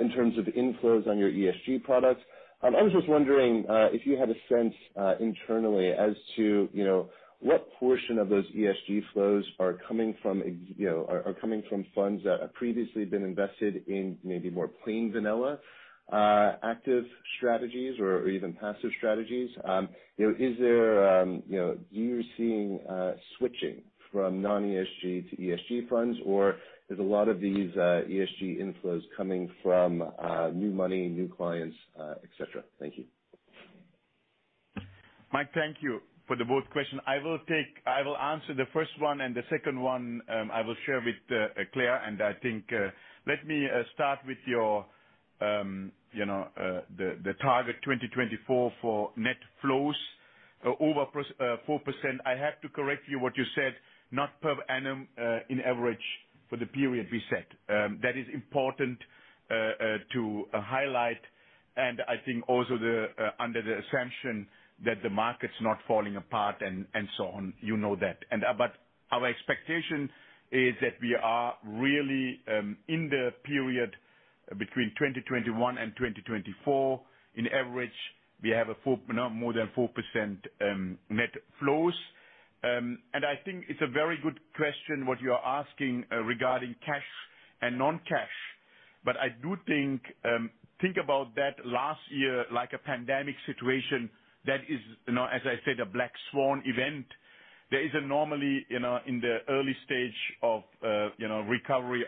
in terms of inflows on your ESG products. I was just wondering if you had a sense internally as to what portion of those ESG flows are coming from funds that have previously been invested in maybe more plain vanilla active strategies or even passive strategies. Are you seeing switching from non-ESG to ESG funds, or is a lot of these ESG inflows coming from new money, new clients, et cetera? Thank you. Mike, thank you for both questions. I will answer the first one, and the second one I will share with Claire. Let me start with the target 2024 for net flows over 4%. I have to correct you what you said, not per annum, in average for the period we set. That is important to highlight, and I think also under the assumption that the market's not falling apart and so on. You know that. Our expectation is that we are really in the period between 2021 and 2024, in average, we have more than 4% net flows. I think it's a very good question what you are asking regarding cash and non-cash. I do think about that last year, like a pandemic situation, that is, as I said, a black swan event. There is a normally, in the early stage of recovery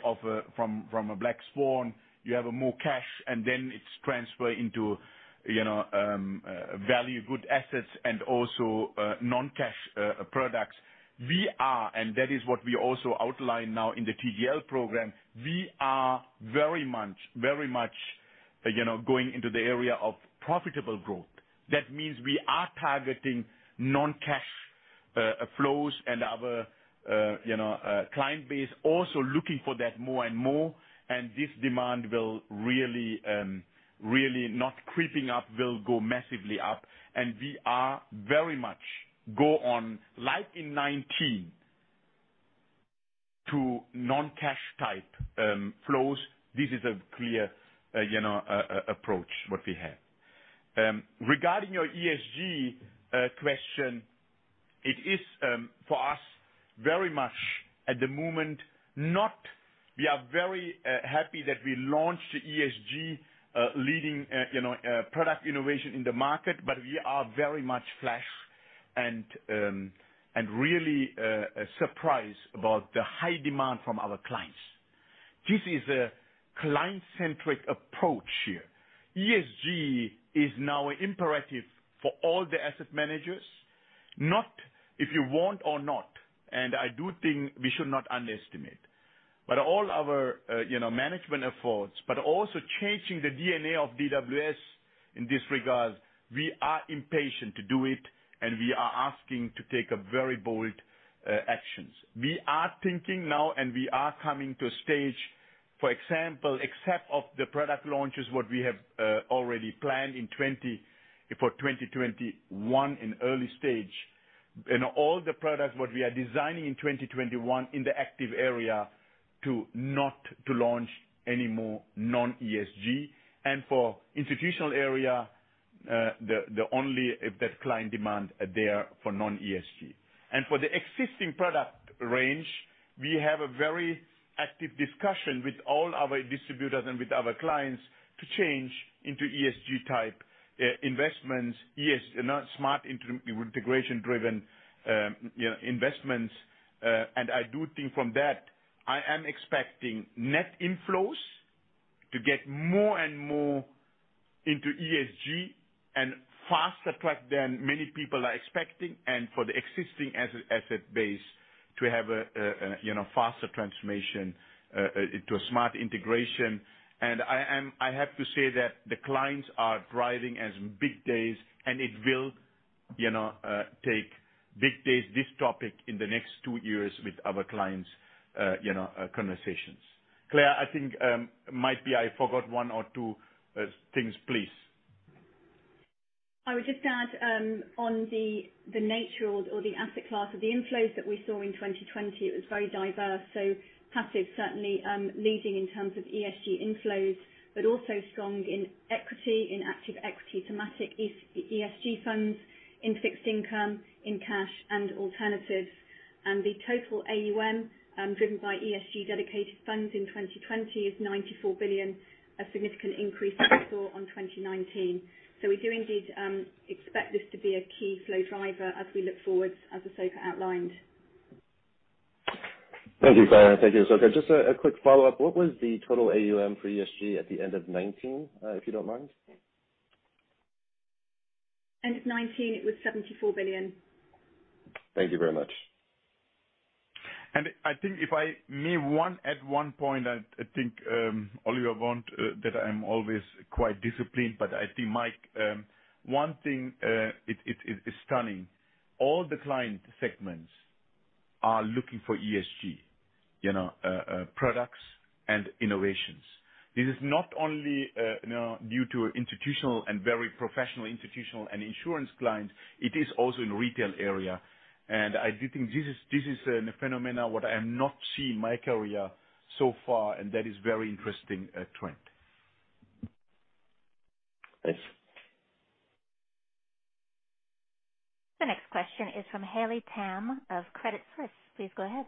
from a black swan, you have more cash and then it's transferred into value, good assets, and also non-cash products. We are, and that is what we also outline now in the TGL program, we are very much going into the area of profitable growth. That means we are targeting non-cash flows and our client base also looking for that more and more. This demand will really not creeping up, will go massively up. We are very much go on, like in 2019, to non-cash type flows. This is a clear approach, what we have. Regarding your ESG question, it is, for us, very much at the moment, not we are very happy that we launched the ESG leading product innovation in the market, but we are very much flash and really surprised about the high demand from our clients. This is a client-centric approach here. ESG is now imperative for all the asset managers, not if you want or not, and I do think we should not underestimate. All our management efforts, but also changing the DNA of DWS in this regard, we are impatient to do it, and we are asking to take very bold actions. We are thinking now, we are coming to a stage, for example, except of the product launches what we have already planned for 2021 in early stage, all the products what we are designing in 2021 in the active area not to launch any more non-ESG. For institutional area, only if that client demand are there for non-ESG. For the existing product range, we have a very active discussion with all our distributors and with our clients to change into ESG type investments. Yes, not Smart Integration-driven investments. I do think from that, I am expecting net inflows to get more and more into ESG and faster track than many people are expecting, for the existing asset base to have a faster transformation to a Smart Integration. I have to say that the clients are driving as big days, and it will take big days, this topic, in the next two years with our clients' conversations. Claire, I think might be I forgot one or two things, please. I would just add on the nature of the asset class of the inflows that we saw in 2020, it was very diverse. Passive, certainly leading in terms of ESG inflows, but also strong in equity, in active equity, thematic ESG funds, in fixed income, in cash, and alternatives. The total AUM driven by ESG dedicated funds in 2020 is 94 billion, a significant increase than we saw on 2019. We do indeed expect this to be a key flow driver as we look forward, as Asoka outlined. Thank you, Claire, and thank you, Asoka. Just a quick follow-up. What was the total AUM for ESG at the end of 2019, if you don't mind? End of 2019, it was 74 billion. Thank you very much. I think if I may add one point, I think Oliver wants that I'm always quite disciplined, but I think, Mike, one thing is stunning. All the client segments are looking for ESG products and innovations. This is not only due to institutional and very professional institutional and insurance clients, it is also in retail area. I do think this is a phenomenon what I have not seen in my career so far, and that is very interesting trend. Thanks. The next question is from Haley Tam of Credit Suisse. Please go ahead.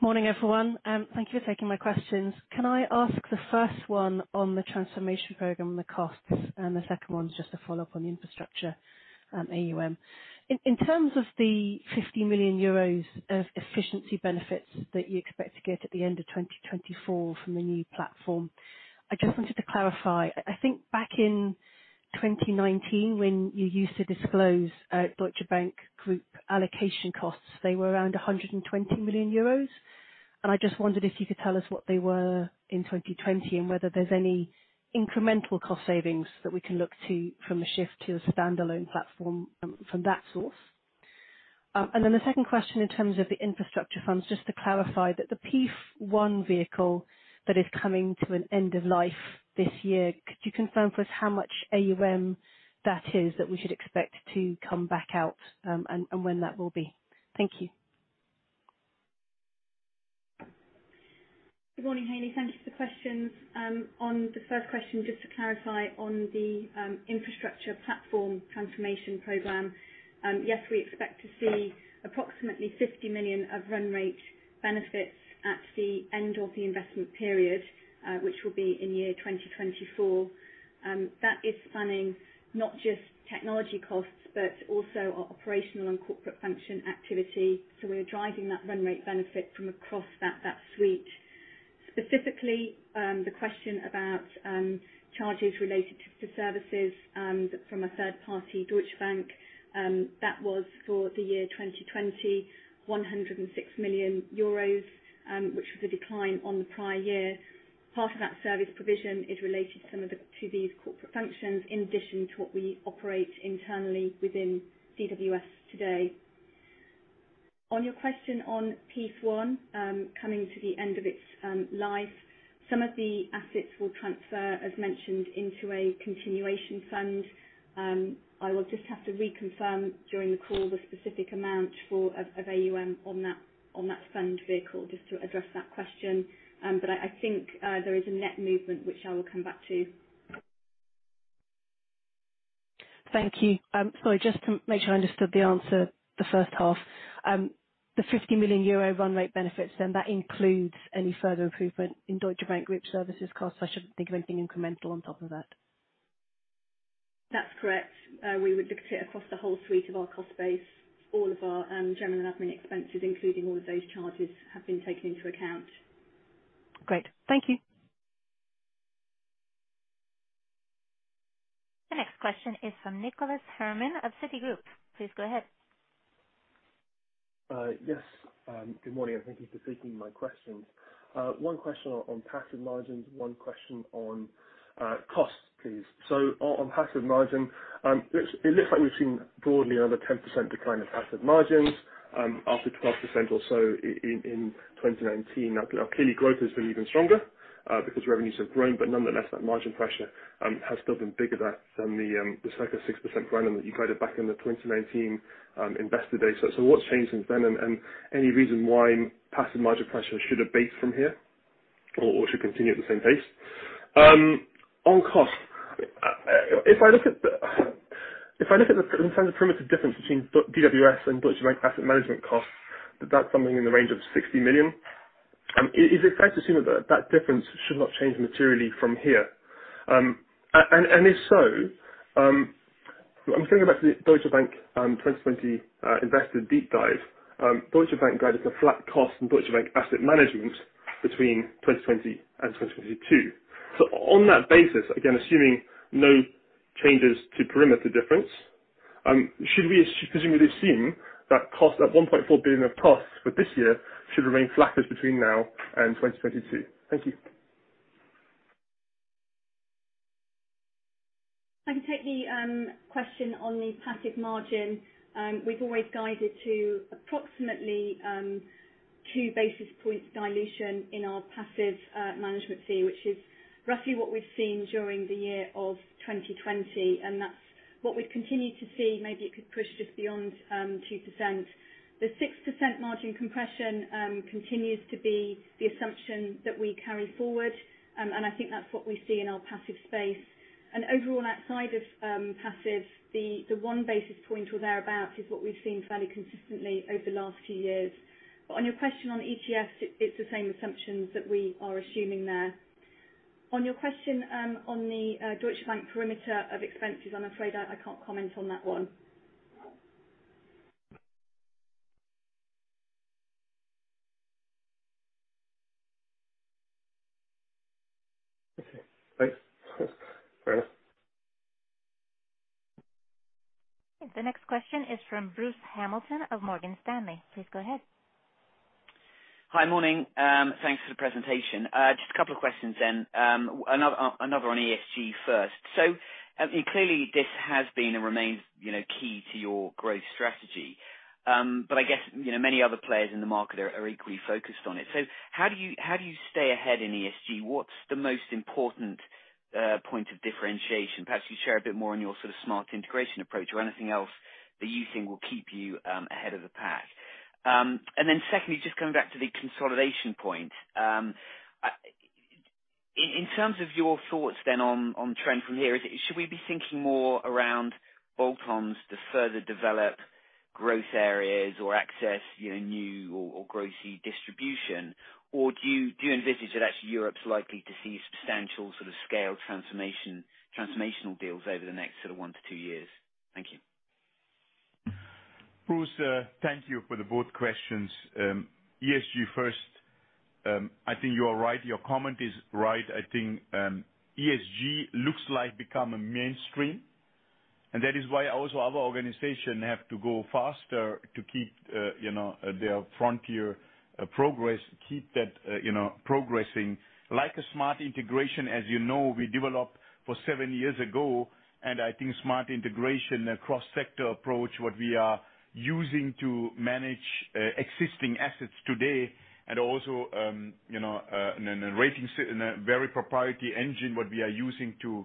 Morning, everyone. Thank you for taking my questions. Can I ask the first one on the Transformation Program and the costs, and the second one is just a follow-up on the infrastructure AUM. In terms of the 50 million euros of efficiency benefits that you expect to get at the end of 2024 from the new platform, I just wanted to clarify. I think back in 2019, when you used to disclose Deutsche Bank Group allocation costs, they were around 120 million euros, and I just wondered if you could tell us what they were in 2020 and whether there's any incremental cost savings that we can look to from the shift to a standalone platform from that source. The second question in terms of the infrastructure funds, just to clarify that the PEIF I vehicle that is coming to an end of life this year, could you confirm for us how much AUM that is that we should expect to come back out, and when that will be? Thank you. Good morning, Haley. Thank you for the questions. On the first question, just to clarify on the infrastructure platform transformation program. We expect to see approximately 50 million of run rate benefits at the end of the investment period, which will be in 2024. That is planning not just technology costs, but also our operational and corporate function activity. We are driving that run rate benefit from across that suite. Specifically, the question about charges related to services from a third party, Deutsche Bank, that was for 2020, 106 million euros, which was a decline on the prior year. Part of that service provision is related to these corporate functions, in addition to what we operate internally within DWS today. On your question on PEIF I coming to the end of its life, some of the assets will transfer, as mentioned, into a continuation fund. I will just have to reconfirm during the call the specific amount of AUM on that fund vehicle just to address that question. I think there is a net movement, which I will come back to. Thank you. Sorry, just to make sure I understood the answer, the first half. The 50 million euro run rate benefits, then that includes any further improvement in Deutsche Bank Group services cost, so I shouldn't think of anything incremental on top of that. That's correct. We would look at it across the whole suite of our cost base. All of our general and admin expenses, including all of those charges, have been taken into account. Great. Thank you. The next question is from Nicholas Herman of Citigroup. Please go ahead. Yes. Good morning, and thank you for taking my questions. One question on passive margins, one question on costs, please. On passive margin, it looks like we've seen broadly another 10% decline of passive margins after 12% or so in 2019. Clearly growth has been even stronger, because revenues have grown. Nonetheless, that margin pressure has still been bigger than the circa 6% growth that you guided back in the 2019 investor day. What's changed since then? Any reason why passive margin pressure should abate from here or should continue at the same pace? On cost, if I look at the internal perimeter difference between DWS and Deutsche Bank Asset Management costs, that's something in the range of 60 million. Is it fair to assume that that difference should not change materially from here? If so, I'm thinking about the Deutsche Bank 2020 investor deep dive. Deutsche Bank guided a flat cost in Deutsche Bank Asset Management between 2020 and 2022. On that basis, again, assuming no changes to perimeter difference, should we presumably assume that cost at 1.4 billion of costs for this year should remain flat between now and 2022? Thank you. I can take the question on the passive margin. We've always guided to approximately two basis points dilution in our passive management fee, which is roughly what we've seen during the year of 2020, and that's what we've continued to see. Maybe it could push just beyond 2%. The 6% margin compression continues to be the assumption that we carry forward, and I think that's what we see in our passive space. Overall, outside of passive, the one basis point or thereabout is what we've seen fairly consistently over the last few years. On your question on ETFs, it's the same assumptions that we are assuming there. On your question on the Deutsche Bank perimeter of expenses, I'm afraid I can't comment on that one. Okay. Thanks. Fair enough. The next question is from Bruce Hamilton of Morgan Stanley. Please go ahead. Hi, morning. Thanks for the presentation. Just a couple of questions then. Another on ESG first. Clearly this has been and remains key to your growth strategy, but I guess, many other players in the market are equally focused on it. How do you stay ahead in ESG? What's the most important point of differentiation? Perhaps you share a bit more on your sort of Smart Integration approach or anything else that you think will keep you ahead of the pack. Secondly, just coming back to the consolidation point. In terms of your thoughts then on trend from here, should we be thinking more around bolt-ons to further develop growth areas or access new or geography distribution? Or do you envisage that actually Europe's likely to see substantial sort of scale transformational deals over the next one to two years? Thank you. Bruce, thank you for the both questions. ESG first. I think you are right, your comment is right. I think, ESG looks like become a mainstream, that is why also our organization have to go faster to keep their frontier progress, keep that progressing. Like Smart Integration, as you know, we developed for seven years ago, I think Smart Integration, a cross-sector approach, what we are using to manage existing assets today and also, and rating very proprietary engine, what we are using to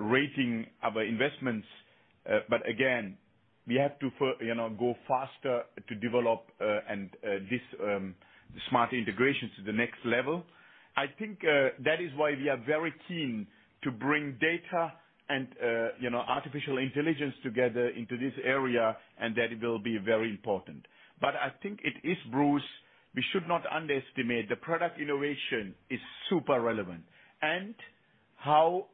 rating our investments. Again, we have to go faster to develop and this Smart Integration to the next level. I think that is why we are very keen to bring data and artificial intelligence together into this area, that will be very important. I think it is, Bruce, we should not underestimate the product innovation is super relevant. How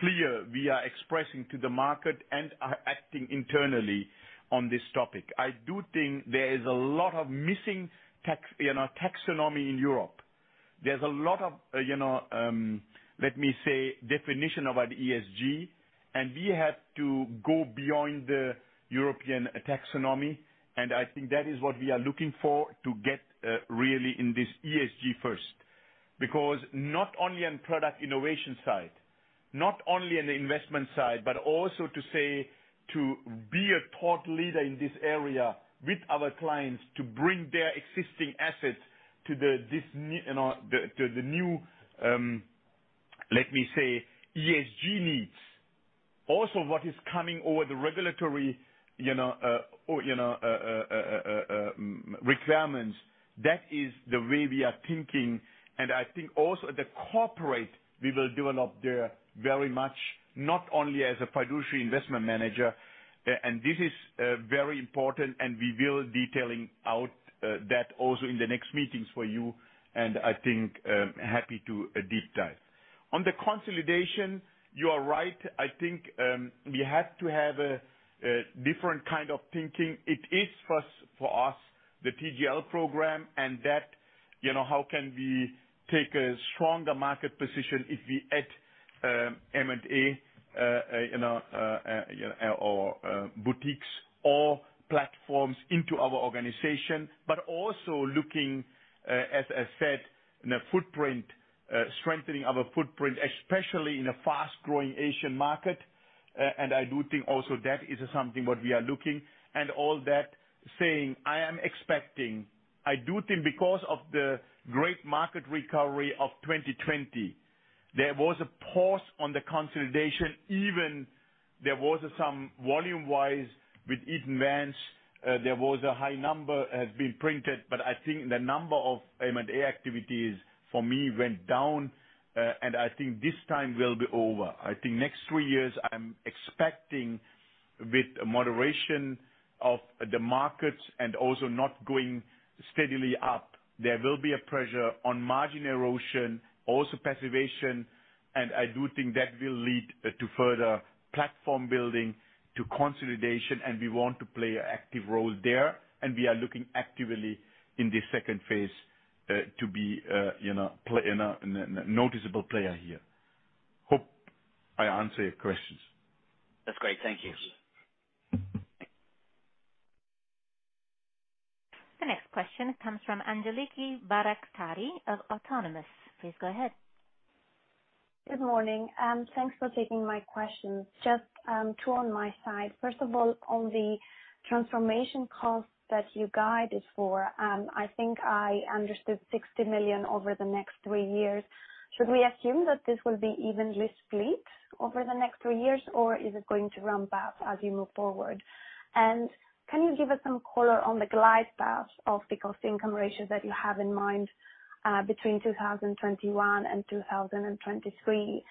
clear we are expressing to the market and are acting internally on this topic. I do think there is a lot of missing taxonomy in Europe. There is a lot of, let me say, definition about ESG. We have to go beyond the European taxonomy. I think that is what we are looking for to get really in this ESG first. Not only on product innovation side, not only on the investment side, but also to say, to be a thought leader in this area with our clients to bring their existing assets to the new, let me say, ESG needs. What is coming over the regulatory requirements. That is the way we are thinking. I think also the corporate, we will develop there very much, not only as a fiduciary investment manager. This is very important, and we will detailing out that also in the next meetings for you. I think, happy to deep dive. On the consolidation, you are right. I think, we have to have a different kind of thinking. It is first for us, the TGL program, and that how can we take a stronger market position if we add M&A, or boutiques or platforms into our organization. Also looking, as I said, in the footprint, strengthening our footprint, especially in a fast-growing Asian market. I do think also that is something that we are looking. All that saying, I am expecting, I do think because of the great market recovery of 2020, there was a pause on the consolidation, even there was some volume-wise with Eaton Vance, there was a high number has been printed, but I think the number of M&A activities for me went down. I think this time will be over. I think next three years, I am expecting with moderation of the markets and also not going steadily up, there will be a pressure on margin erosion, also preservation, and I do think that will lead to further platform building to consolidation, and we want to play an active role there, and we are looking actively in the second phase, to be a noticeable player here. Hope I answer your questions. That's great. Thank you. The next question comes from Angeliki Bairaktari of Autonomous. Please go ahead. Good morning, and thanks for taking my questions. Just two on my side. First of all, on the transformation costs that you guided for, I think I understood 60 million over the next three years. Should we assume that this will be evenly split over the next three years, or is it going to ramp up as you move forward? Can you give us some color on the glide path of the cost income ratio that you have in mind, between 2021 and 2023?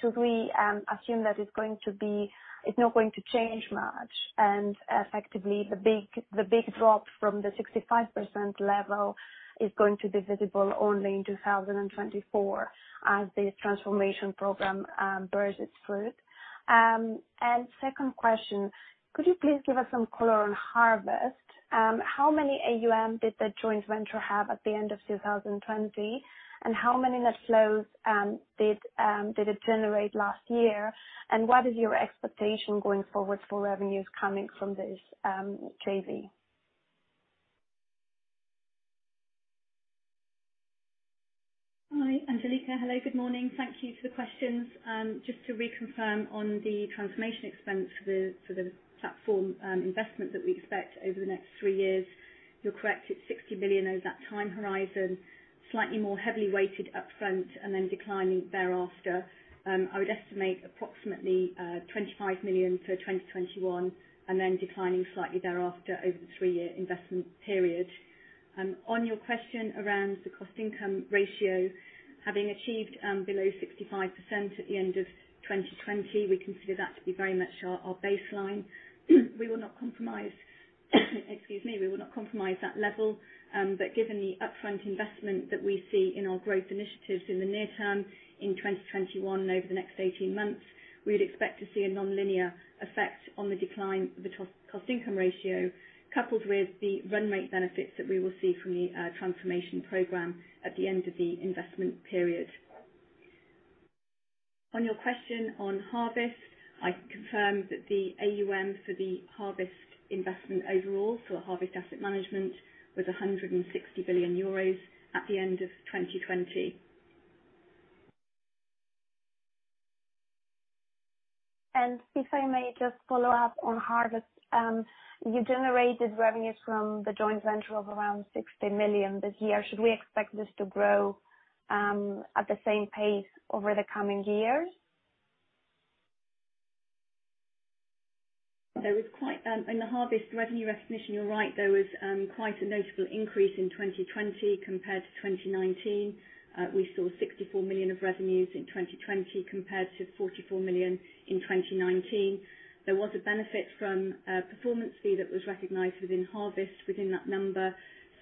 Should we assume that it's not going to change much, and effectively the big drop from the 65% level is going to be visible only in 2024 as this transformation program bears its fruit? Second question, could you please give us some color on Harvest? How many AUM did the joint venture have at the end of 2020? How many net flows did it generate last year? What is your expectation going forward for revenues coming from this JV? Angeliki, hello. Good morning. Thank you for the questions. Just to reconfirm on the transformation expense for the platform investment that we expect over the next three years, you're correct. It's 60 million over that time horizon, slightly more heavily weighted upfront and then declining thereafter. I would estimate approximately 25 million for 2021 and then declining slightly thereafter over the three-year investment period. On your question around the cost income ratio, having achieved below 65% at the end of 2020, we consider that to be very much our baseline. We will not compromise, excuse me. We will not compromise that level. Given the upfront investment that we see in our growth initiatives in the near term in 2021 and over the next 18 months, we would expect to see a nonlinear effect on the decline of the cost income ratio, coupled with the run rate benefits that we will see from the transformation program at the end of the investment period. On your question on Harvest, I confirm that the AUM for the Harvest Fund Management investment overall for Harvest Fund Management was 160 billion euros at the end of 2020. If I may just follow up on Harvest. You generated revenues from the joint venture of around 60 million this year. Should we expect this to grow at the same pace over the coming years? In the Harvest revenue recognition, you're right. There was quite a notable increase in 2020 compared to 2019. We saw 64 million of revenues in 2020 compared to 44 million in 2019. There was a benefit from a performance fee that was recognized within Harvest within that number.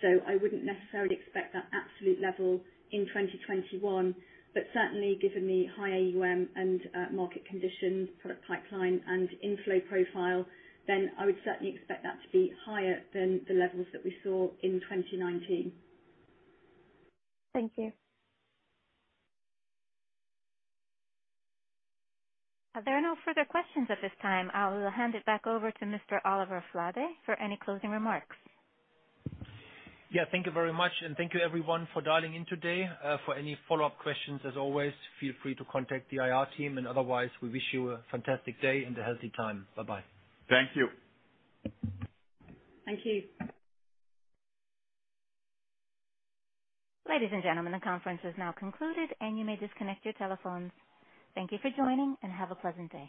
I wouldn't necessarily expect that absolute level in 2021. Certainly, given the high AUM and market conditions, product pipeline, and inflow profile, then I would certainly expect that to be higher than the levels that we saw in 2019. Thank you. There are no further questions at this time. I will hand it back over to Mr. Oliver Flade for any closing remarks. Yeah, thank you very much, and thank you everyone for dialing in today. For any follow-up questions, as always, feel free to contact the IR team, and otherwise, we wish you a fantastic day and a healthy time. Bye-bye. Thank you. Thank you. Ladies and gentlemen, the conference is now concluded, and you may disconnect your telephones. Thank you for joining, and have a pleasant day.